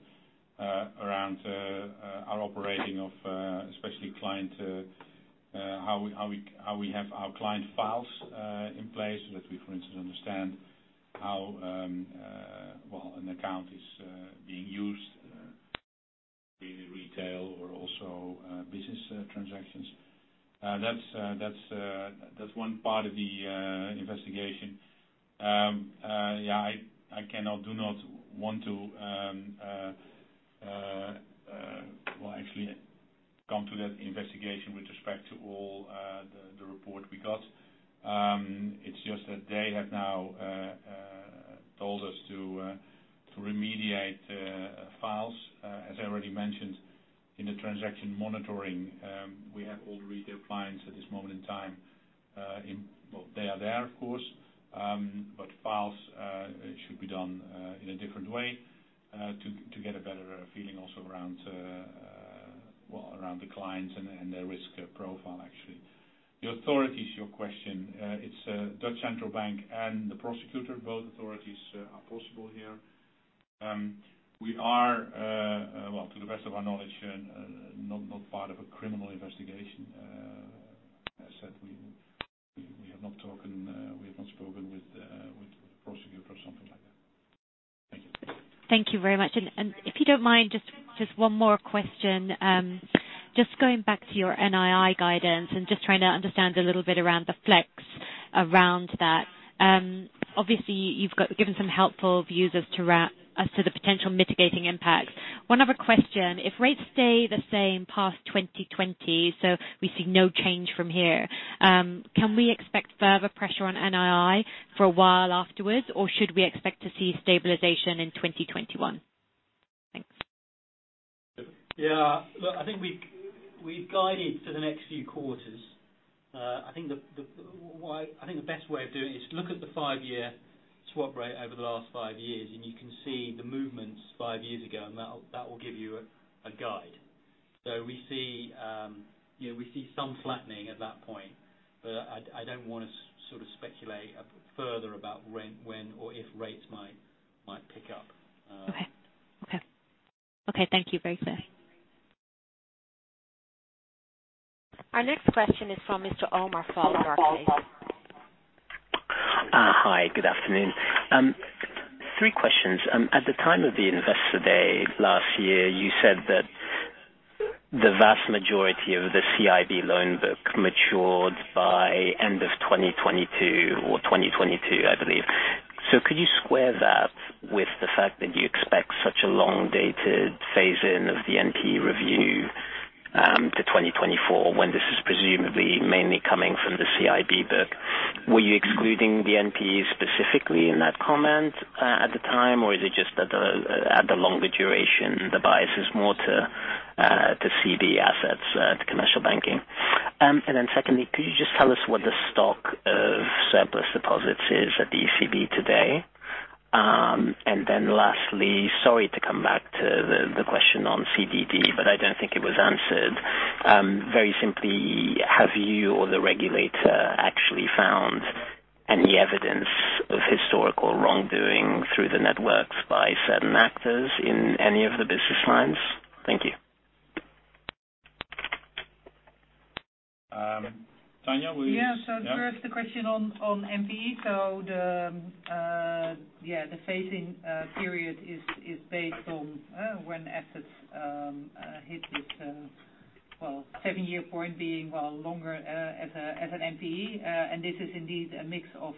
Speaker 2: around our operating of especially how we have our client files in place so that we, for instance, understand how well an account is being used in retail or also business transactions. That is one part of the investigation. I do not want to actually come to that investigation with respect to all the report we got. It is just that they have now told us to remediate files. As I already mentioned, in the transaction monitoring, we have all the retail clients at this moment in time. Well, they are there, of course, but files should be done in a different way to get a better feeling also around the clients and their risk profile actually. The authorities, your question. It is Dutch Central Bank and the prosecutor. Both authorities are possible here. We are, well, to the best of our knowledge, not part of a criminal investigation. As said, we have not spoken with prosecutor or something like that. Thank you.
Speaker 19: Thank you very much. If you don't mind, just one more question. Just going back to your NII guidance and just trying to understand a little bit around the flex around that. Obviously, you've given some helpful views as to the potential mitigating impacts. One other question. If rates stay the same past 2020, so we see no change from here, can we expect further pressure on NII for a while afterwards, or should we expect to see stabilization in 2021? Thanks.
Speaker 2: Yeah. Look, I think we've guided for the next few quarters. I think the best way of doing it is to look at the five-year swap rate over the last five years, and you can see the movements five years ago, and that will give you a guide. We see some flattening. I don't want to speculate further about when or if rates might pick up.
Speaker 19: Okay. Thank you. Very clear.
Speaker 1: Our next question is from Mr. Omar Fall, Barclays. Go ahead, please.
Speaker 20: Hi, good afternoon. Three questions. At the time of the Investor Day last year, you said that the vast majority of the CIB loan book matured by end of 2022 or 2022, I believe. Could you square that with the fact that you expect such a long-dated phase-in of the NPE review, to 2024, when this is presumably mainly coming from the CIB book? Were you excluding the NPE specifically in that comment at the time, or is it just that at the longer duration, the bias is more to CB assets, to commercial banking? Secondly, could you just tell us what the stock of surplus deposits is at the ECB today? Lastly, sorry to come back to the question on CDD, but I don't think it was answered. Very simply, have you or the regulator actually found any evidence of historical wrongdoing through the networks by certain actors in any of the business lines? Thank you.
Speaker 2: Tanja, would you.
Speaker 4: Yeah. First, the question on NPE. The phasing period is based on when assets hit this seven-year point being longer as an NPE. This is indeed a mix of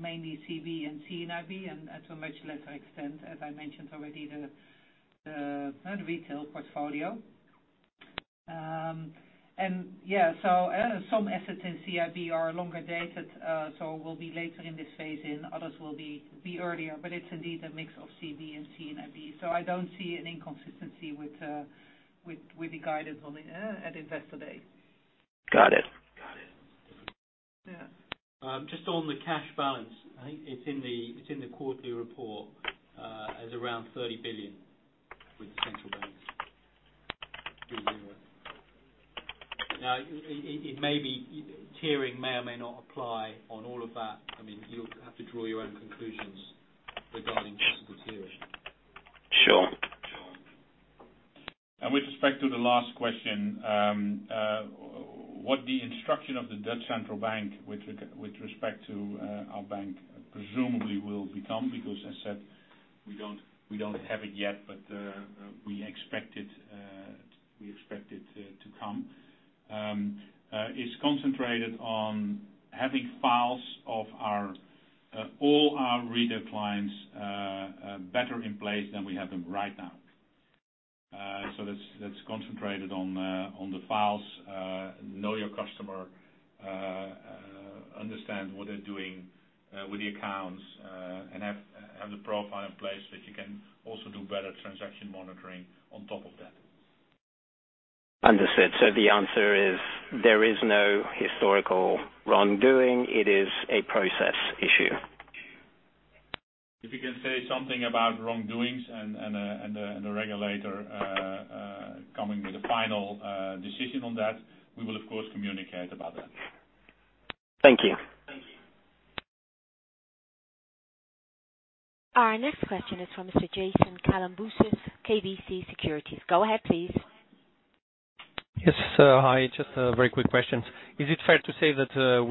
Speaker 4: mainly CB and CIB, and to a much lesser extent, as I mentioned already, the retail portfolio. Yeah, some assets in CIB are longer dated, so will be later in this phase in, others will be earlier, but it's indeed a mix of CB and CIB. I don't see an inconsistency with the guidance at Investor Day.
Speaker 20: Got it.
Speaker 4: Yeah.
Speaker 2: Just on the cash balance. I think it's in the quarterly report as around 30 billion with the central banks. Now, tiering may or may not apply on all of that. You'll have to draw your own conclusions regarding possible tiering.
Speaker 20: Sure.
Speaker 2: With respect to the last question, what the instruction of Dutch Central Bank with respect to our bank presumably will become, because as said, we don't have it yet, but we expect it to come. It's concentrated on having files of all our retail clients better in place than we have them right now. That's concentrated on the files, Know Your Customer, understand what they're doing with the accounts, and have the profile in place so that you can also do better transaction monitoring on top of that.
Speaker 20: Understood. The answer is there is no historical wrongdoing. It is a process issue.
Speaker 2: If we can say something about wrongdoings and the regulator coming with a final decision on that, we will of course, communicate about that.
Speaker 20: Thank you.
Speaker 1: Our next question is from Mr. Jason Kalamboussis, KBC Securities. Go ahead, please.
Speaker 21: Yes. Hi, just a very quick question. Is it fair to say that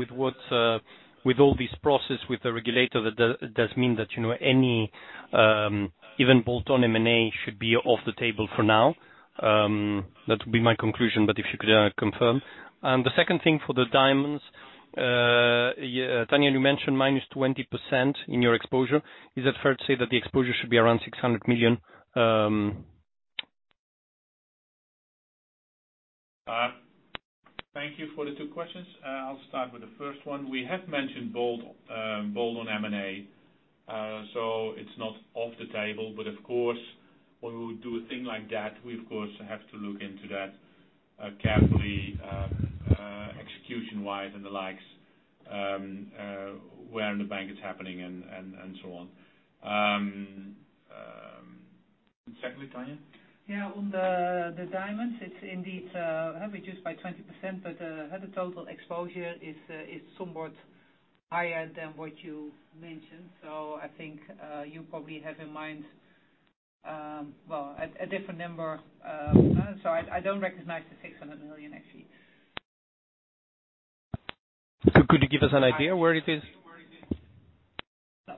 Speaker 21: with all this process with the regulator, that does mean that any even bolt-on M&A should be off the table for now? That would be my conclusion, but if you could confirm. The second thing for the diamonds, Tanja, you mentioned -20% in your exposure. Is it fair to say that the exposure should be around 600 million?
Speaker 2: Thank you for the two questions. I'll start with the first one. We have mentioned bolt-on M&A. It's not off the table, but of course, when we do a thing like that, we of course have to look into that carefully, execution-wise and the likes, where in the bank it's happening and so on. Secondly, Tanja?
Speaker 4: Yeah. On the diamonds, it is indeed reduced by 20%. The total exposure is somewhat higher than what you mentioned. I think you probably have in mind a different number. I do not recognize the 600 million, actually.
Speaker 21: Could you give us an idea where it is?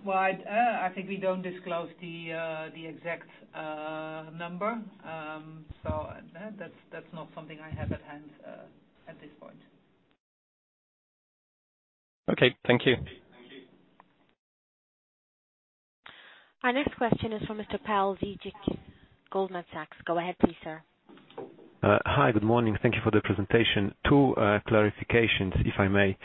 Speaker 4: I think we don't disclose the exact number. That's not something I have at hand at this point.
Speaker 21: Okay. Thank you.
Speaker 1: Our next question is from Mr. Pawel Dziedzic, Goldman Sachs. Go ahead please, sir.
Speaker 22: Hi. Good morning. Thank you for the presentation. Two clarifications, if I may.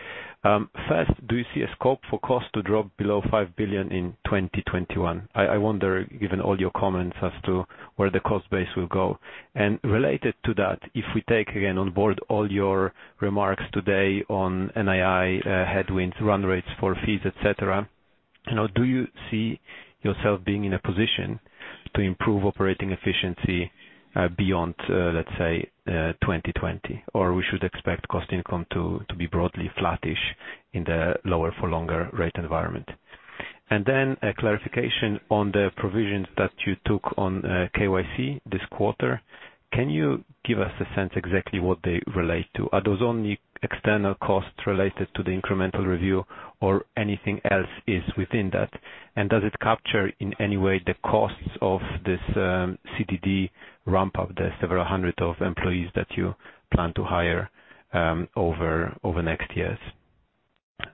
Speaker 22: First, do you see a scope for cost to drop below 5 billion in 2021? I wonder, given all your comments as to where the cost base will go. Related to that, if we take again on board all your remarks today on NII headwinds, run rates for fees, et cetera. Do you see yourself being in a position to improve operating efficiency beyond, let's say, 2020? We should expect cost income to be broadly flattish in the lower for longer rate environment. Then a clarification on the provisions that you took on KYC this quarter. Can you give us a sense exactly what they relate to? Are those only external costs related to the incremental review or anything else is within that? Does it capture in any way the costs of this CDD ramp up, the several hundred of employees that you plan to hire over next years?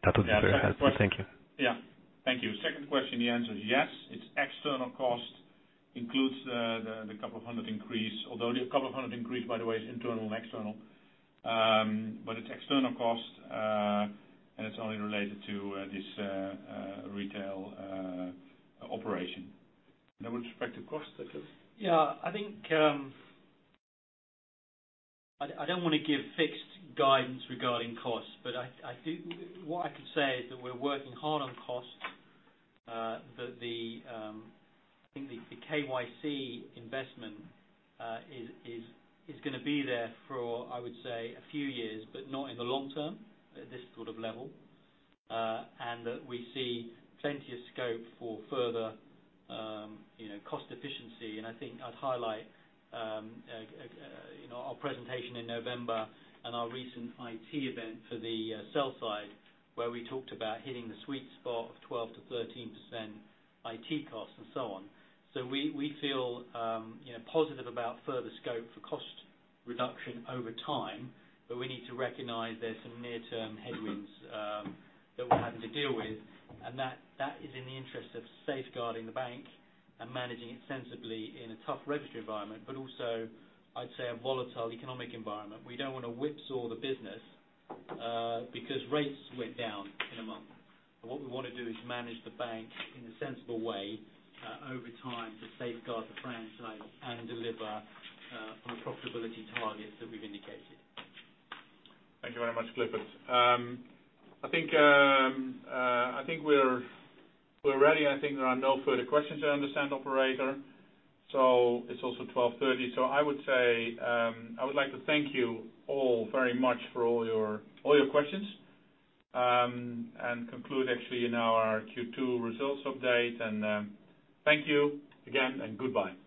Speaker 22: That would be very helpful. Thank you.
Speaker 2: Yeah. Thank you. Second question, the answer is yes, it's external cost, includes the couple of hundred increase. The couple of hundred increase, by the way, is internal and external. It's external cost, and it's only related to this retail operation. With respect to cost, Clifford?
Speaker 3: I think I don't want to give fixed guidance regarding costs, but what I can say is that we're working hard on costs. The KYC investment is going to be there for, I would say, a few years, but not in the long term at this sort of level. We see plenty of scope for further cost efficiency, and I think I'd highlight our presentation in November and our recent IT event for the sell side where we talked about hitting the sweet spot of 12%-13% IT costs and so on. We feel positive about further scope for cost reduction over time, but we need to recognize there's some near-term headwinds that we're having to deal with. That is in the interest of safeguarding the bank and managing it sensibly in a tough regulatory environment, but also, I'd say, a volatile economic environment. We don't want to whipsaw the business because rates went down in a month. What we want to do is manage the bank in a sensible way over time to safeguard the franchise and deliver on the profitability targets that we've indicated.
Speaker 2: Thank you very much, Clifford. I think we're ready. I think there are no further questions I understand, operator. It's also 12:30. I would like to thank you all very much for all your questions, and conclude actually now our Q2 results update. Thank you again, and goodbye.